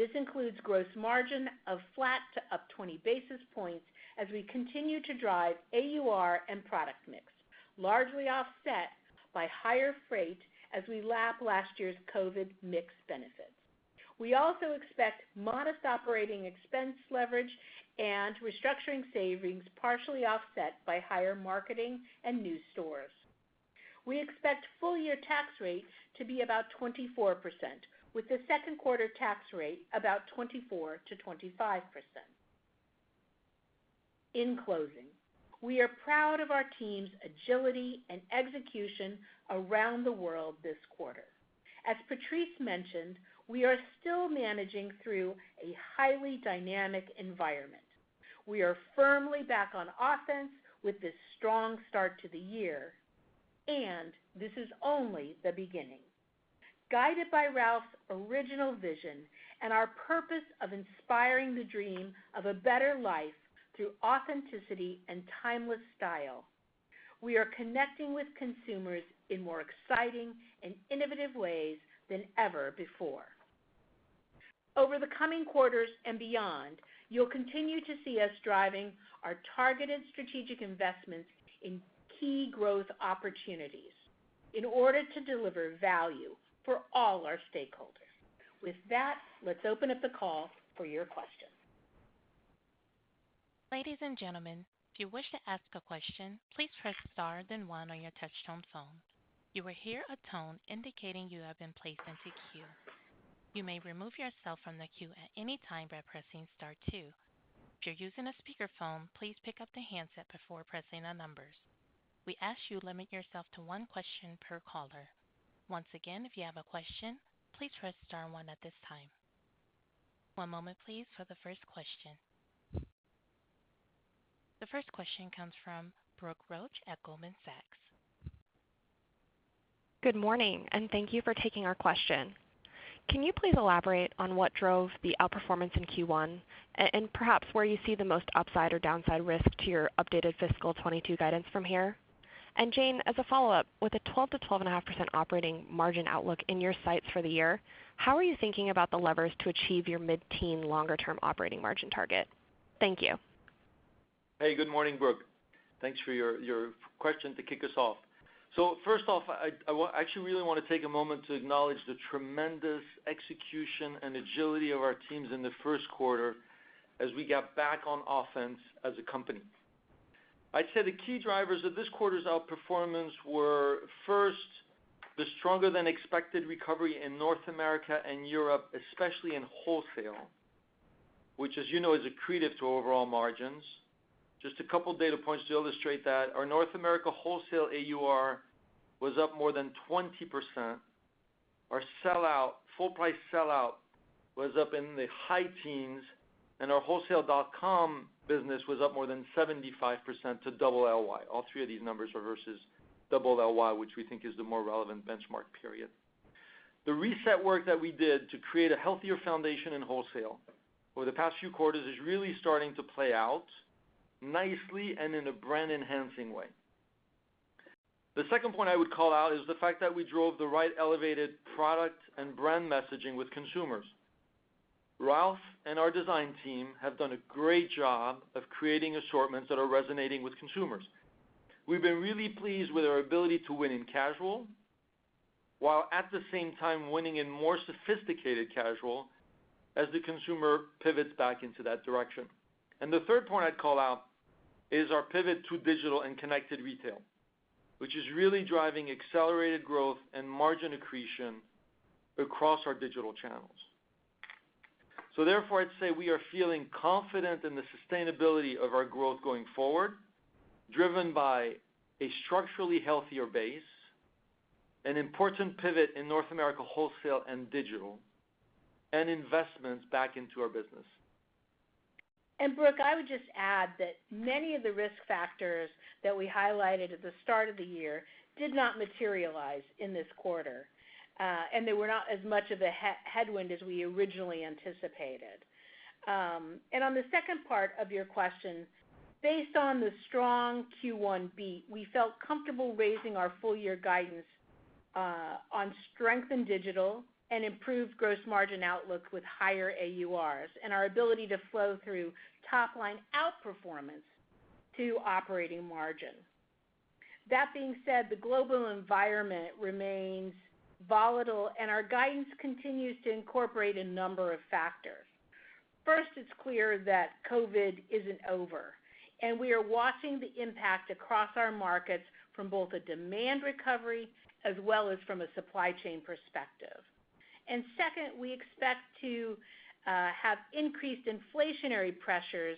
This includes gross margin of flat to up 20 basis points as we continue to drive AUR and product mix, largely offset by higher freight as we lap last year's COVID mix benefits. We also expect modest operating expense leverage and restructuring savings partially offset by higher marketing and new stores. We expect full-year tax rates to be about 24%, with the Q2 tax rate about 24%-25%. In closing, we are proud of our team's agility and execution around the world this quarter. As Patrice mentioned, we are still managing through a highly dynamic environment. We are firmly back on offense with this strong start to the year. This is only the beginning. Guided by Ralph's original vision and our purpose of inspiring the dream of a better life through authenticity and timeless style, we are connecting with consumers in more exciting and innovative ways than ever before. Over the coming quarters and beyond, you'll continue to see us driving our targeted strategic investments in key growth opportunities in order to deliver value for all our stakeholders. With that, let's open up the call for your questions. One moment please for the first question. The first question comes from Brooke Roach at Goldman Sachs. Good morning, and thank you for taking our question. Can you please elaborate on what drove the outperformance in Q1, and perhaps where you see the most upside or downside risk to your updated fiscal 2022 guidance from here? Jane, as a follow-up, with a 12%-12.5% operating margin outlook in your sights for the year, how are you thinking about the levers to achieve your mid-teen longer-term operating margin target? Thank you. Hey, good morning, Brooke. Thanks for your question to kick us off. First off, I actually really want to take a moment to acknowledge the tremendous execution and agility of our teams in the Q1 as we got back on offense as a company. I'd say the key drivers of this quarter's outperformance were, first, the stronger than expected recovery in North America and Europe, especially in wholesale, which as you know, is accretive to overall margins. Just a couple data points to illustrate that. Our North America wholesale AUR was up more than 20%. Our full price sellout was up in the high teens, and our wholesale dot com business was up more than 75% to LLY. All three of these numbers are versus LLY, which we think is the more relevant benchmark period. The reset work that we did to create a healthier foundation in wholesale over the past few quarters is really starting to play out nicely and in a brand-enhancing way. The second point I would call out is the fact that we drove the right elevated product and brand messaging with consumers. Ralph and our design team have done a great job of creating assortments that are resonating with consumers. We've been really pleased with our ability to win in casual while at the same time winning in more sophisticated casual as the consumer pivots back into that direction. The third point I'd call out is our pivot to digital and connected retail, which is really driving accelerated growth and margin accretion across our digital channels. Therefore, I'd say we are feeling confident in the sustainability of our growth going forward, driven by a structurally healthier base, an important pivot in North America wholesale and digital, and investments back into our business. Brooke, I would just add that many of the risk factors that we highlighted at the start of the year did not materialize in this quarter. They were not as much of a headwind as we originally anticipated. On the second part of your question, based on the strong Q1 beat, we felt comfortable raising our full year guidance on strength in digital and improved gross margin outlook with higher AURs, and our ability to flow through top-line outperformance to operating margin. That being said, the global environment remains volatile, and our guidance continues to incorporate a number of factors. First, it's clear that COVID isn't over, and we are watching the impact across our markets from both a demand recovery as well as from a supply chain perspective. Second, we expect to have increased inflationary pressures,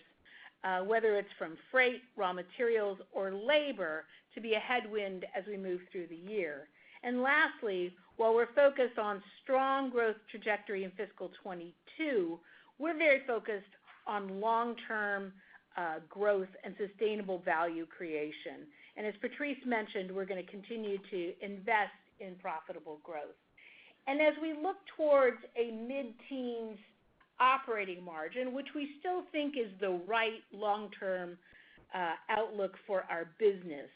whether it's from freight, raw materials, or labor, to be a headwind as we move through the year. Lastly, while we're focused on strong growth trajectory in fiscal 2022, we're very focused on long-term growth and sustainable value creation. As Patrice mentioned, we're going to continue to invest in profitable growth. As we look towards a mid-teens operating margin, which we still think is the right long-term outlook for our business,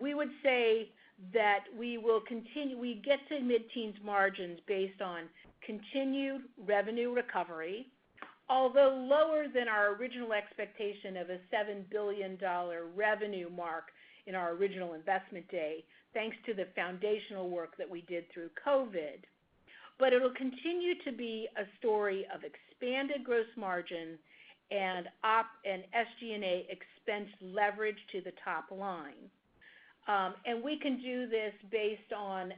we would say that we get to mid-teens margins based on continued revenue recovery, although lower than our original expectation of a $7 billion revenue mark in our original Analyst Day, thanks to the foundational work that we did through COVID. It'll continue to be a story of expanded gross margin and op and SG&A expense leverage to the top line. We can do this based on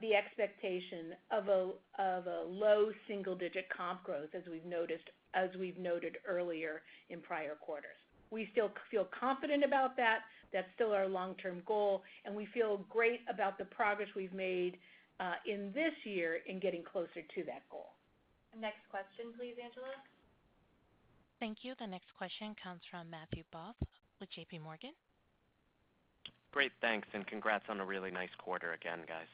the expectation of a low single-digit comp growth, as we've noted earlier in prior quarters. We still feel confident about that. That's still our long-term goal, and we feel great about the progress we've made in this year in getting closer to that goal. Next question please, Angela. Thank you. The next question comes from Matthew Boss with JPMorgan. Great. Thanks congrats on a really nice quarter again, guys.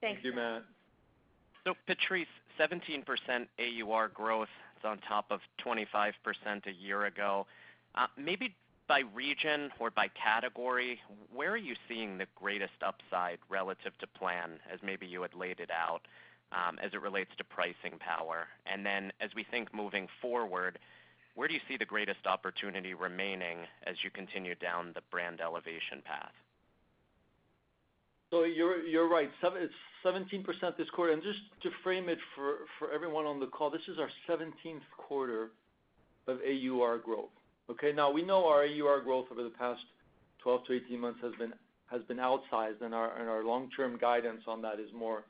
Thank you. Thank you, Matt. Patrice, 17% AUR growth on top of 25% a year ago. Maybe by region or by category, where are you seeing the greatest upside relative to plan as maybe you had laid it out, as it relates to pricing power? As we think moving forward, where do you see the greatest opportunity remaining as you continue down the brand elevation path? You're right. It's 17% this quarter. Just to frame it for everyone on the call, this is our 17th quarter of AUR growth. We know our AUR growth over the past 12 to 18 months has been outsized and our long-term guidance on that is more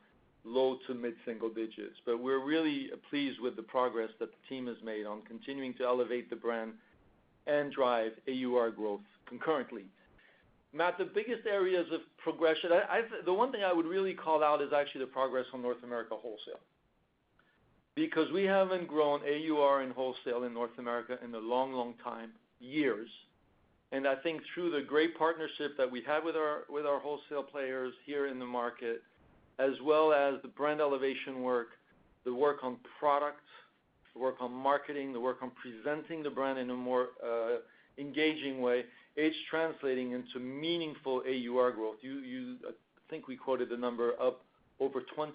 low to mid single digits. We're really pleased with the progress that the team has made on continuing to elevate the brand and drive AUR growth concurrently. Matt, the biggest areas of progression. The one thing I would really call out is actually the progress on North America wholesale. We haven't grown AUR in wholesale in North America in a long time, years. I think through the great partnership that we have with our wholesale players here in the market, as well as the brand elevation work, the work on product, the work on marketing, the work on presenting the brand in a more engaging way, it's translating into meaningful AUR growth. I think we quoted the number of over 20%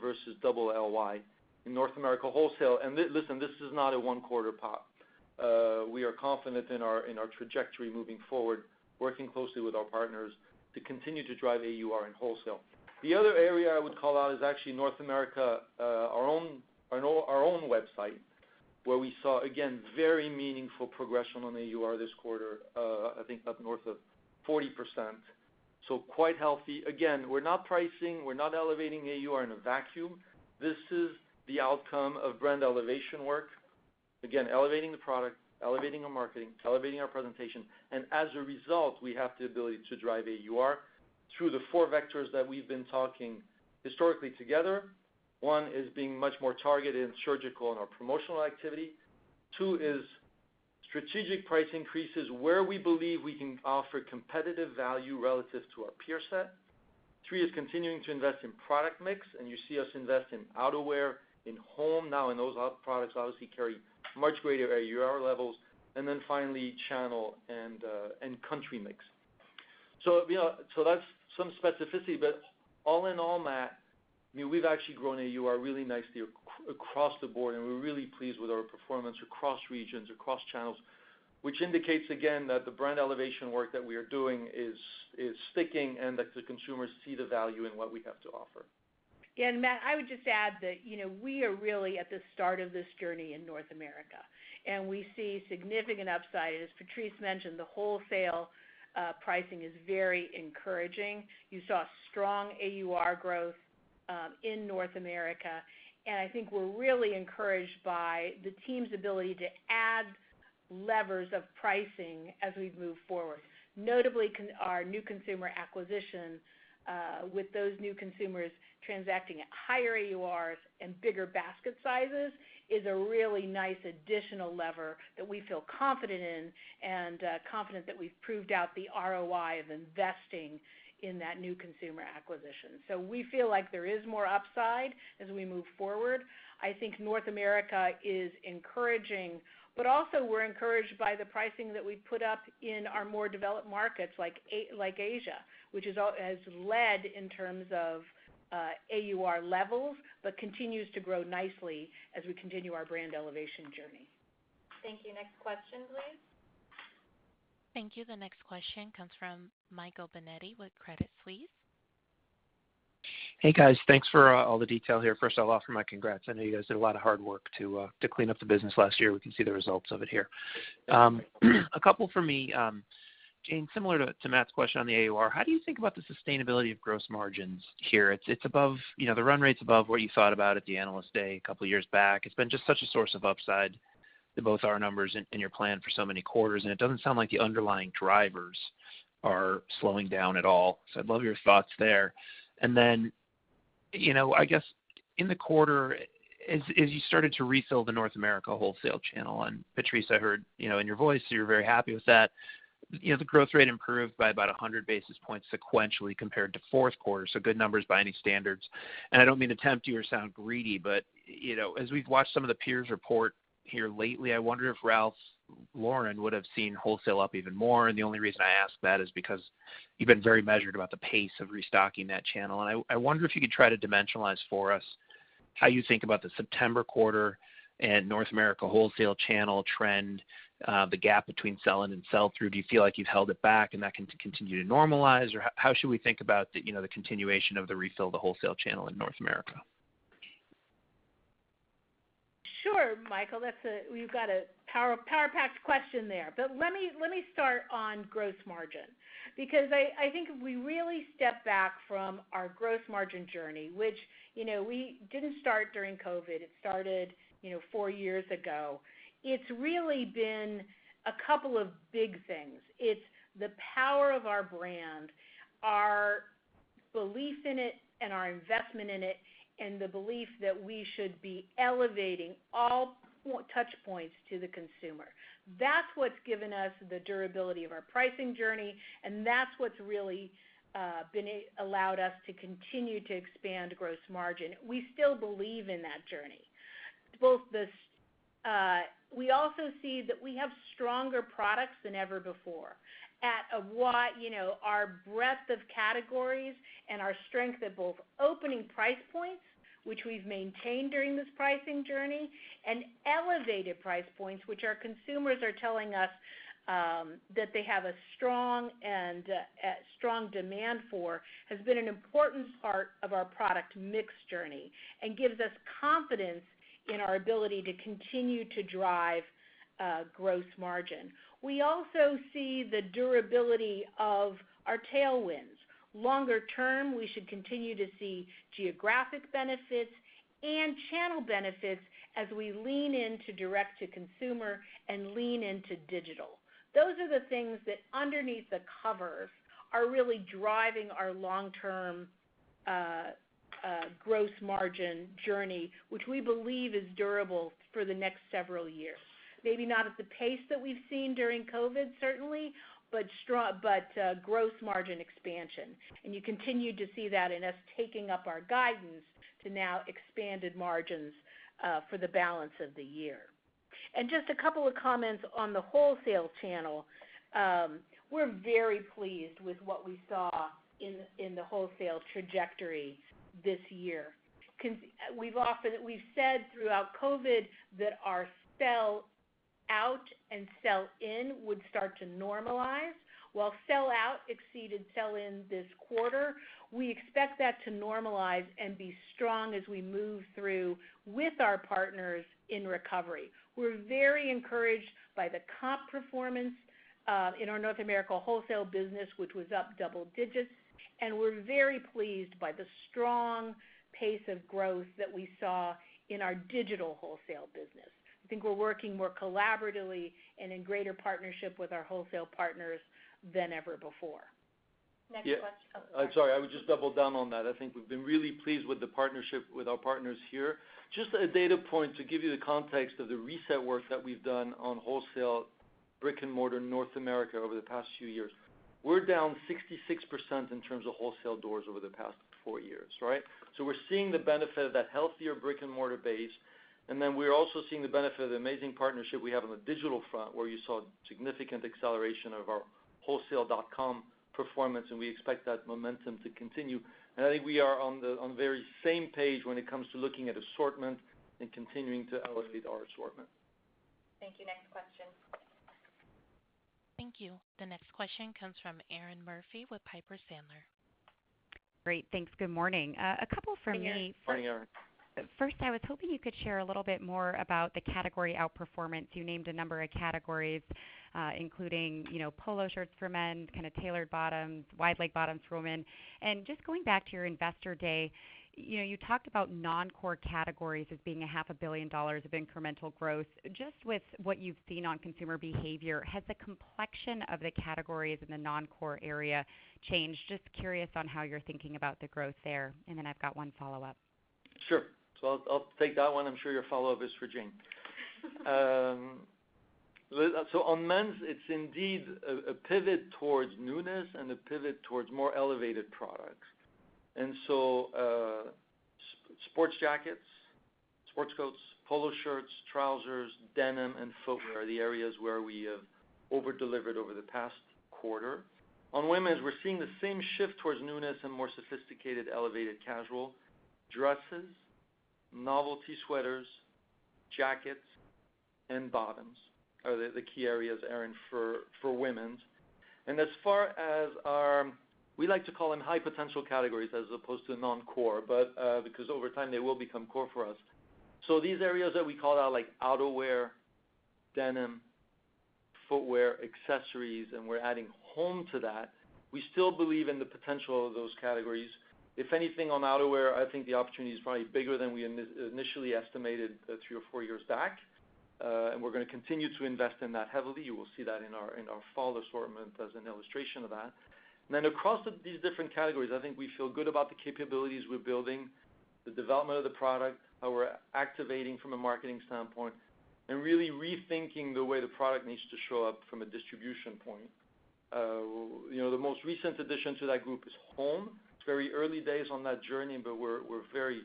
versus LLY in North America wholesale. Listen, this is not a one-quarter pop. We are confident in our trajectory moving forward, working closely with our partners to continue to drive AUR in wholesale. The other area I would call out is actually North America, our own website, where we saw, again, very meaningful progression on AUR this quarter, I think up north of 40%. Quite healthy. Again, we're not pricing, we're not elevating AUR in a vacuum. This is the outcome of brand elevation work. Again, elevating the product, elevating our marketing, elevating our presentation. As a result, we have the ability to drive AUR through the four vectors that we've been talking historically together. One is being much more targeted and surgical in our promotional activity. Two is strategic price increases where we believe we can offer competitive value relative to our peer set. Three is continuing to invest in product mix, and you see us invest in outerwear, in home now, and those products obviously carry much greater AUR levels. Finally, channel and country mix. That's some specificity, but all in all, Matthew, we've actually grown AUR really nicely across the board, and we're really pleased with our performance across regions, across channels, which indicates again, that the brand elevation work that we are doing is sticking and that the consumers see the value in what we have to offer. Matt, I would just add that we are really at the start of this journey in North America, and we see significant upside. As Patrice mentioned, the wholesale pricing is very encouraging. You saw strong AUR growth in North America, and I think we're really encouraged by the team's ability to add levers of pricing as we move forward. Notably, our new consumer acquisition with those new consumers transacting at higher AURs and bigger basket sizes is a really nice additional lever that we feel confident in, and confident that we've proved out the ROI of investing in that new consumer acquisition. We feel like there is more upside as we move forward. I think North America is encouraging, but also we're encouraged by the pricing that we've put up in our more developed markets like Asia, which has led in terms of AUR levels, but continues to grow nicely as we continue our brand elevation journey. Thank you. Next question, please. Thank you. The next question comes from Michael Binetti with Credit Suisse. Hey, guys. Thanks for all the detail here. First, I'll offer my congrats. I know you guys did a lot of hard work to clean up the business last year. We can see the results of it here. A couple from me. Jane, similar to Matthew's question on the AUR, how do you think about the sustainability of gross margins here? The run rate's above what you thought about at the Analyst Day couple years back. It's been just such a source of upside to both our numbers and your plan for so many quarters, and it doesn't sound like the underlying drivers are slowing down at all. I'd love your thoughts there. I guess in the quarter, as you started to refill the North America wholesale channel, and Patrice, I heard in your voice, you're very happy with that. The growth rate improved by about 100 basis points sequentially compared to Q4. Good numbers by any standards. I don't mean to tempt you or sound greedy, but as we've watched some of the peers report here lately, I wonder if Ralph Lauren would have seen wholesale up even more. The only reason I ask that is because you've been very measured about the pace of restocking that channel. I wonder if you could try to dimensionalize for us how you think about the September quarter and North America wholesale channel trend, the gap between sell in and sell through. Do you feel like you've held it back and that can continue to normalize, or how should we think about the continuation of the refill of the wholesale channel in North America? Sure, Michael. Let me start on gross margin because I think if we really step back from our gross margin journey, which we didn't start during COVID, it started four years ago. It's really been a couple of big things. It's the power of our brand, our belief in it and our investment in it, and the belief that we should be elevating all touch points to the consumer. That's what's given us the durability of our pricing journey, and that's what's really allowed us to continue to expand gross margin. We still believe in that journey. We also see that we have stronger products than ever before. Our breadth of categories and our strength at both opening price points, which we've maintained during this pricing journey, and elevated price points, which our consumers are telling us that they have a strong demand for, has been an important part of our product mix journey and gives us confidence in our ability to continue to drive gross margin. We also see the durability of our tailwinds. Longer term, we should continue to see geographic benefits and channel benefits as we lean into direct to consumer and lean into digital. Those are the things that underneath the covers are really driving our long-term gross margin journey, which we believe is durable for the next several years. Maybe not at the pace that we've seen during COVID, certainly, but gross margin expansion. You continue to see that in us taking up our guidance to now expanded margins for the balance of the year. Just a couple of comments on the wholesale channel. We're very pleased with what we saw in the wholesale trajectory this year. We've said throughout COVID that our sell out and sell in would start to normalize while sell out exceeded sell in this quarter. We expect that to normalize and be strong as we move through with our partners in recovery. We're very encouraged by the comp performance in our North America wholesale business, which was up double digits, and we're very pleased by the strong pace of growth that we saw in our digital wholesale business. I think we're working more collaboratively and in greater partnership with our wholesale partners than ever before. Next question. I'm sorry. I would just double down on that. I think we've been really pleased with the partnership with our partners here. Just a data point to give you the context of the reset work that we've done on wholesale brick and mortar North America over the past few years. We're down 66% in terms of wholesale doors over the past four years, right? We're seeing the benefit of that healthier brick and mortar base. Then we're also seeing the benefit of the amazing partnership we have on the digital front, where you saw significant acceleration of our wholesale.com performance. We expect that momentum to continue. I think we are on the very same page when it comes to looking at assortment and continuing to elevate our assortment. Thank you. Next question. Thank you. The next question comes from Erinn Murphy with Piper Sandler. Great. Thanks. Good morning. A couple from me. Good morning, Erinn. I was hoping you could share a little bit more about the category outperformance. You named a number of categories, including Polo shirts for men, kind of tailored bottoms, wide-leg bottoms for women. Just going back to your Investor Day, you talked about non-core categories as being a half a billion dollars of incremental growth. Just with what you've seen on consumer behavior, has the complexion of the categories in the non-core area changed? Just curious on how you're thinking about the growth there. I've got one follow-up. Sure. I'll take that one. I'm sure your follow-up is for Jane. On men's, it's indeed a pivot towards newness and a pivot towards more elevated products. Sports jackets, sports coats, Polo shirts, trousers, denim, and footwear are the areas where we have over-delivered over the past quarter. On women's, we're seeing the same shift towards newness and more sophisticated, elevated casual. Dresses, novelty sweaters, jackets, and bottoms are the key areas, Erinn, for women's. As far as our, we like to call them high potential categories as opposed to non-core, because over time, they will become core for us. These areas that we called out, like outerwear, denim, footwear, accessories, and we're adding home to that, we still believe in the potential of those categories. If anything, on outerwear, I think the opportunity is probably bigger than we initially estimated three or four years back. We're going to continue to invest in that heavily. You will see that in our fall assortment as an illustration of that. Across these different categories, I think we feel good about the capabilities we're building, the development of the product, how we're activating from a marketing standpoint, and really rethinking the way the product needs to show up from a distribution point. The most recent addition to that group is home. It's very early days on that journey, but we're very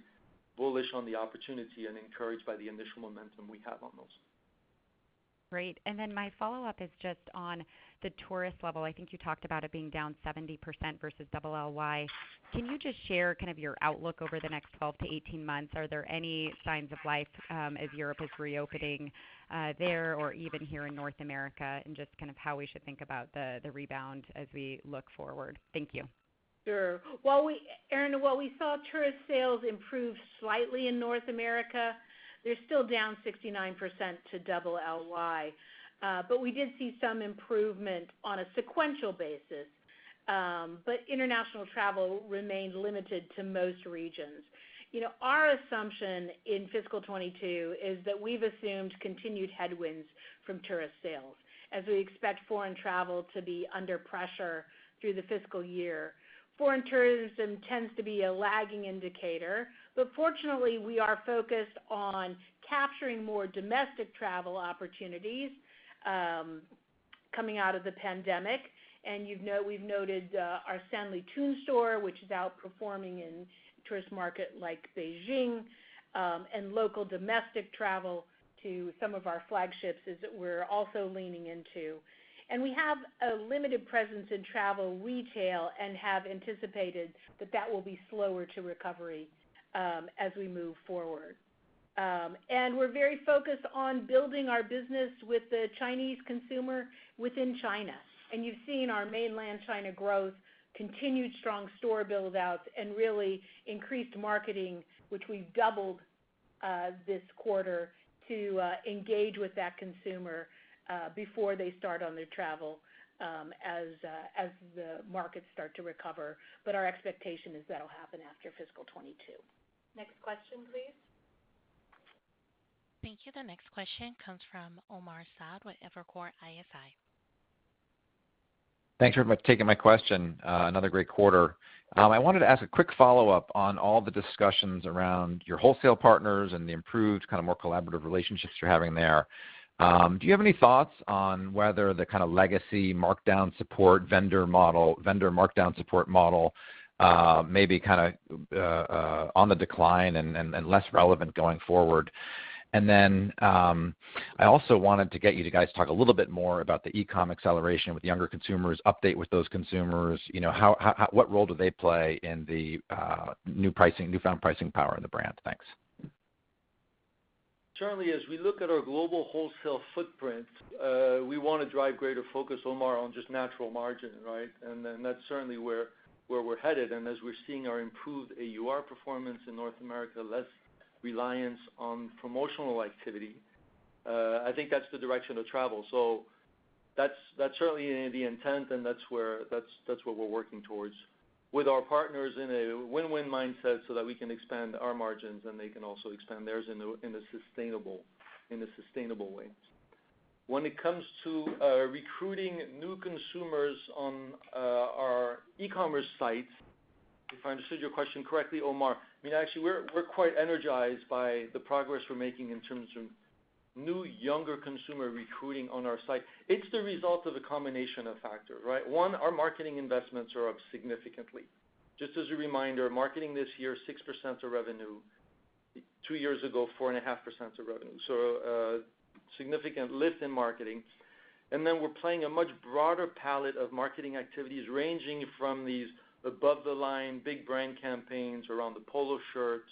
bullish on the opportunity and encouraged by the initial momentum we have on those. Great. Then my follow-up is just on the tourist level. I think you talked about it being down 70% versus LLY. Can you just share kind of your outlook over the next 12-18 months? Are there any signs of life as Europe is reopening there or even here in North America, and just how we should think about the rebound as we look forward? Thank you. Sure. Erinn, while we saw tourist sales improve slightly in North America, they're still down 69% to LLY. We did see some improvement on a sequential basis. International travel remained limited to most regions. Our assumption in fiscal 2022 is that we've assumed continued headwinds from tourist sales, as we expect foreign travel to be under pressure through the fiscal year. Foreign tourism tends to be a lagging indicator, but fortunately, we are focused on capturing more domestic travel opportunities coming out of the pandemic. You've noted our Sanlitun store, which is outperforming in tourist market like Beijing, and local domestic travel to some of our flagships is we're also leaning into. We have a limited presence in travel retail and have anticipated that that will be slower to recovery as we move forward. We're very focused on building our business with the Chinese consumer within China. You've seen our mainland China growth, continued strong store build-outs, and really increased marketing, which we've doubled this quarter to engage with that consumer before they start on their travel as the markets start to recover. Our expectation is that'll happen after fiscal 2022. Next question, please. Thank you. The next question comes from Omar Saad with Evercore ISI. Thanks very much for taking my question. Another great quarter. I wanted to ask a quick follow-up on all the discussions around your wholesale partners and the improved, more collaborative relationships you're having there. Do you have any thoughts on whether the kind of legacy markdown support vendor model, vendor markdown support model may be on the decline and less relevant going forward? I also wanted to get you to guys talk a little bit more about the e-com acceleration with younger consumers, update with those consumers. What role do they play in the newfound pricing power of the brand? Thanks. Certainly, as we look at our global wholesale footprint, we want to drive greater focus, Omar, on just natural margin, right? That's certainly where we're headed. As we're seeing our improved AUR performance in North America, less reliance on promotional activity, I think that's the direction of travel. That's certainly the intent, and that's what we're working towards with our partners in a win-win mindset so that we can expand our margins, and they can also expand theirs in a sustainable way. When it comes to recruiting new consumers on our e-commerce site, if I understood your question correctly, Omar, actually, we're quite energized by the progress we're making in terms of new younger consumer recruiting on our site. It's the result of a combination of factors, right? One, our marketing investments are up significantly. Just as a reminder, marketing this year is 6% of revenue. Two years ago, 4.5% of revenue. A significant lift in marketing. We're playing a much broader palette of marketing activities ranging from these above-the-line big brand campaigns around the Polo shirts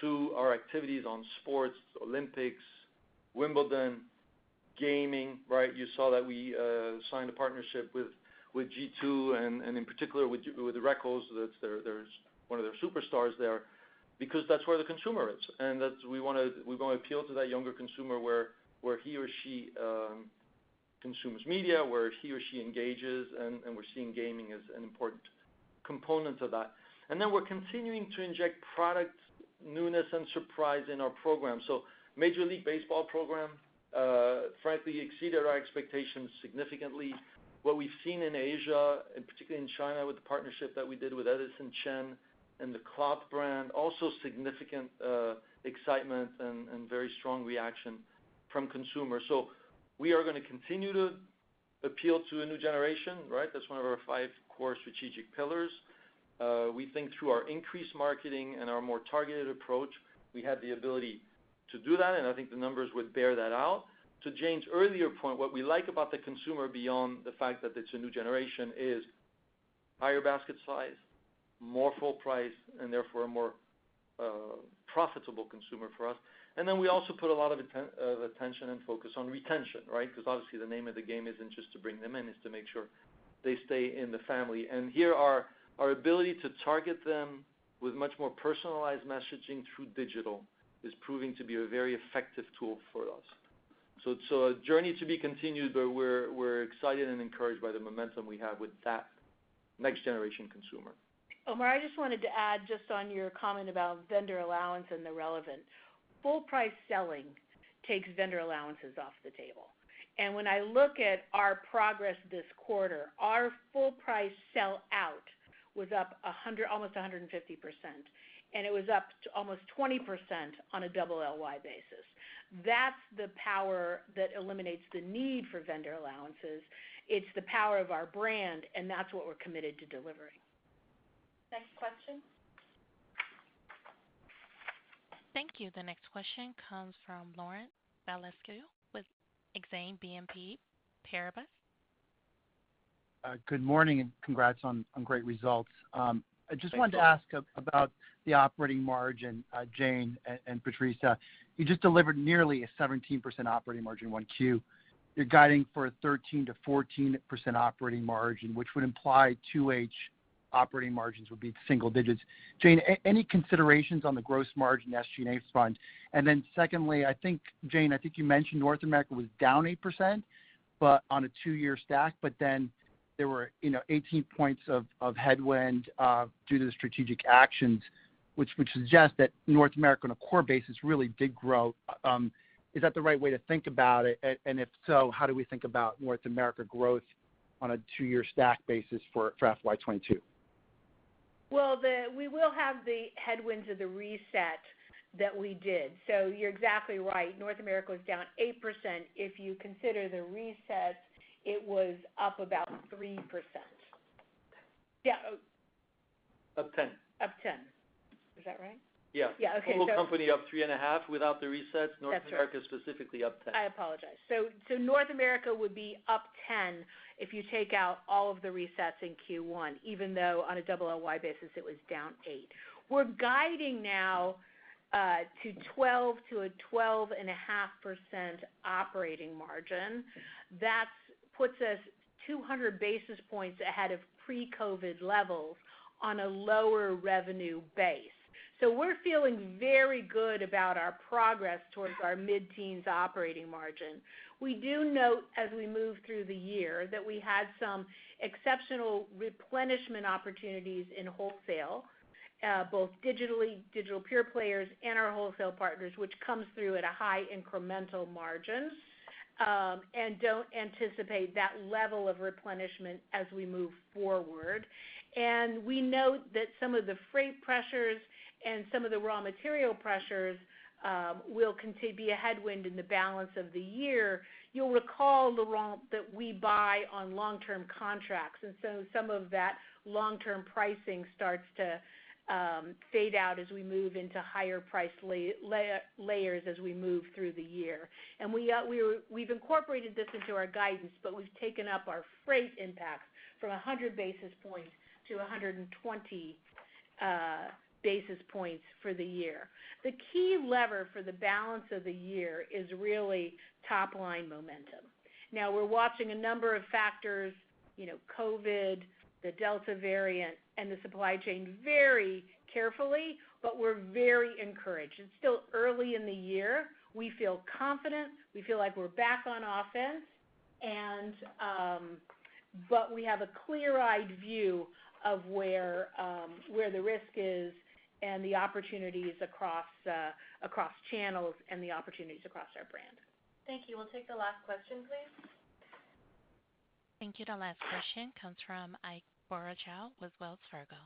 to our activities on sports, Olympics, Wimbledon, gaming, right? You saw that we signed a partnership with G2 and in particular with Rekkles, one of their superstars there, because that's where the consumer is, and we want to appeal to that younger consumer where he or she consumes media, where he or she engages, and we're seeing gaming as an important component of that. We're continuing to inject product newness and surprise in our program. Major League Baseball program, frankly, exceeded our expectations significantly. What we've seen in Asia, particularly in China with the partnership that we did with Edison Chen and the CLOT brand, also significant excitement and very strong reaction from consumers. We are going to continue to appeal to a new generation, right? That's one of our five core strategic pillars. We think through our increased marketing and our more targeted approach, we have the ability to do that, and I think the numbers would bear that out. To Jane's earlier point, what we like about the consumer beyond the fact that it's a new generation is higher basket size, more full price, and therefore a more profitable consumer for us. We also put a lot of attention and focus on retention, right? Obviously the name of the game isn't just to bring them in, it's to make sure they stay in the family. Here, our ability to target them with much more personalized messaging through digital is proving to be a very effective tool for us. A journey to be continued, but we're excited and encouraged by the momentum we have with that next-generation consumer. Omar, I just wanted to add just on your comment about vendor allowance and the relevance. Full price selling takes vendor allowances off the table. When I look at our progress this quarter, our full price sell out was up almost 150%, and it was up almost 20% on a LLY basis. That's the power that eliminates the need for vendor allowances. It's the power of our brand, and that's what we're committed to delivering. Next question. Thank you. The next question comes from Laurent Vasilescu with Exane BNP Paribas. Good morning, congrats on great results. Thank you. I just wanted to ask about the operating margin, Jane and Patrice. You just delivered nearly a 17% operating margin in Q1. You're guiding for a 13%-14% operating margin, which would imply H2 operating margins would be single digits. Jane, any considerations on the gross margin SG&A spend? Secondly, Jane, I think you mentioned North America was down 8% on a two-year stack, but then there were 18 points of headwind due to the strategic actions, which would suggest that North America on a core basis really did grow. Is that the right way to think about it? If so, how do we think about North America growth on a two-year stack basis for FY 2022? Well, we will have the headwinds of the reset that we did. You're exactly right. North America was down 8%. If you consider the reset, it was up about 3%. Yeah. Up 10. Up 10. Is that right? Yeah. Yeah. Okay. Total company up 3.5% without the resets. North America specifically up 10%. I apologize. North America would be up 10% if you take out all of the resets in Q1, even though on a LLY basis, it was down 8%. We're guiding now to a 12.5% operating margin. That puts us 200 basis points ahead of pre-COVID levels on a lower revenue base. We're feeling very good about our progress towards our mid-teens operating margin. We do note as we move through the year that we had some exceptional replenishment opportunities in wholesale, both digitally, digital pure players and our wholesale partners, which comes through at a high incremental margin, and don't anticipate that level of replenishment as we move forward. We note that some of the freight pressures and some of the raw material pressures will continue to be a headwind in the balance of the year. You'll recall, Laurent, that we buy on long-term contracts, and so some of that long-term pricing starts to fade out as we move into higher price layers as we move through the year. We've incorporated this into our guidance, but we've taken up our freight impact from 100 basis points to 120 basis points for the year. The key lever for the balance of the year is really top-line momentum. Now we're watching a number of factors, COVID, the Delta variant, and the supply chain very carefully, but we're very encouraged. It's still early in the year. We feel confident. We feel like we're back on offense. We have a clear-eyed view of where the risk is and the opportunities across channels and the opportunities across our brand. Thank you. We'll take the last question, please. Thank you. The last question comes from Ike Boruchow with Wells Fargo.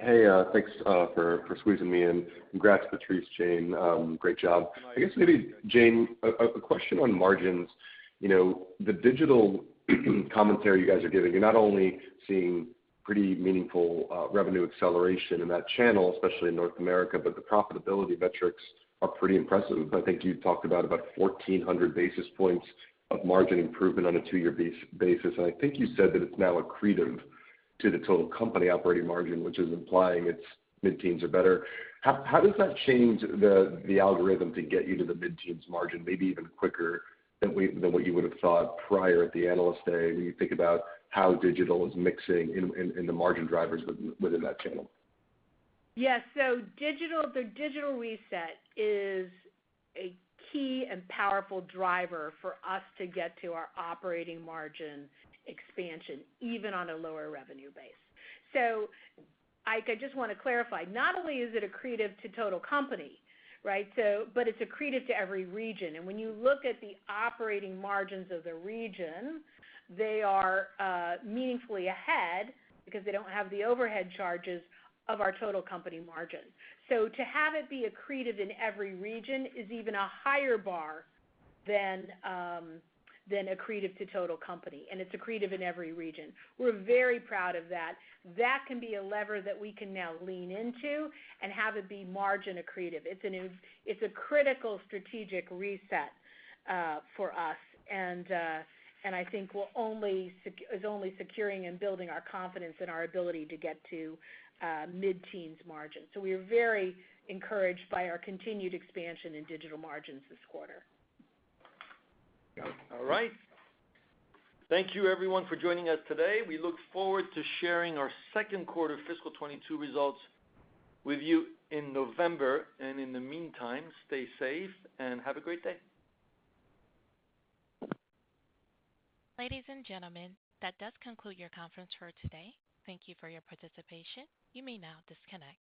Hey, thanks for squeezing me in. Congrats, Patrice, Jane. Great job. I guess maybe, Jane, a question on margins. The digital commentary you guys are giving, you're not only seeing pretty meaningful revenue acceleration in that channel, especially in North America, but the profitability metrics are pretty impressive. I think you talked about 1,400 basis points of margin improvement on a two-year basis. I think you said that it's now accretive to the total company operating margin, which is implying it's mid-teens or better. How does that change the algorithm to get you to the mid-teens margin, maybe even quicker than what you would have thought prior at the Analyst Day, when you think about how digital is mixing in the margin drivers within that channel? Yes. The digital reset is a key and powerful driver for us to get to our operating margin expansion, even on a lower revenue base. Ike, I just want to clarify, not only is it accretive to total company, but it's accretive to every region. When you look at the operating margins of the regions, they are meaningfully ahead because they don't have the overhead charges of our total company margin. To have it be accretive in every region is even a higher bar than accretive to total company, and it's accretive in every region. We're very proud of that. That can be a lever that we can now lean into and have it be margin accretive. It's a critical strategic reset for us, and I think is only securing and building our confidence in our ability to get to mid-teens margin. We are very encouraged by our continued expansion in digital margins this quarter. All right. Thank you everyone for joining us today. We look forward to sharing our Q2 fiscal 2022 results with you in November, and in the meantime, stay safe and have a great day. Ladies and gentlemen, that does conclude your conference for today. Thank you for your participation. You may now disconnect.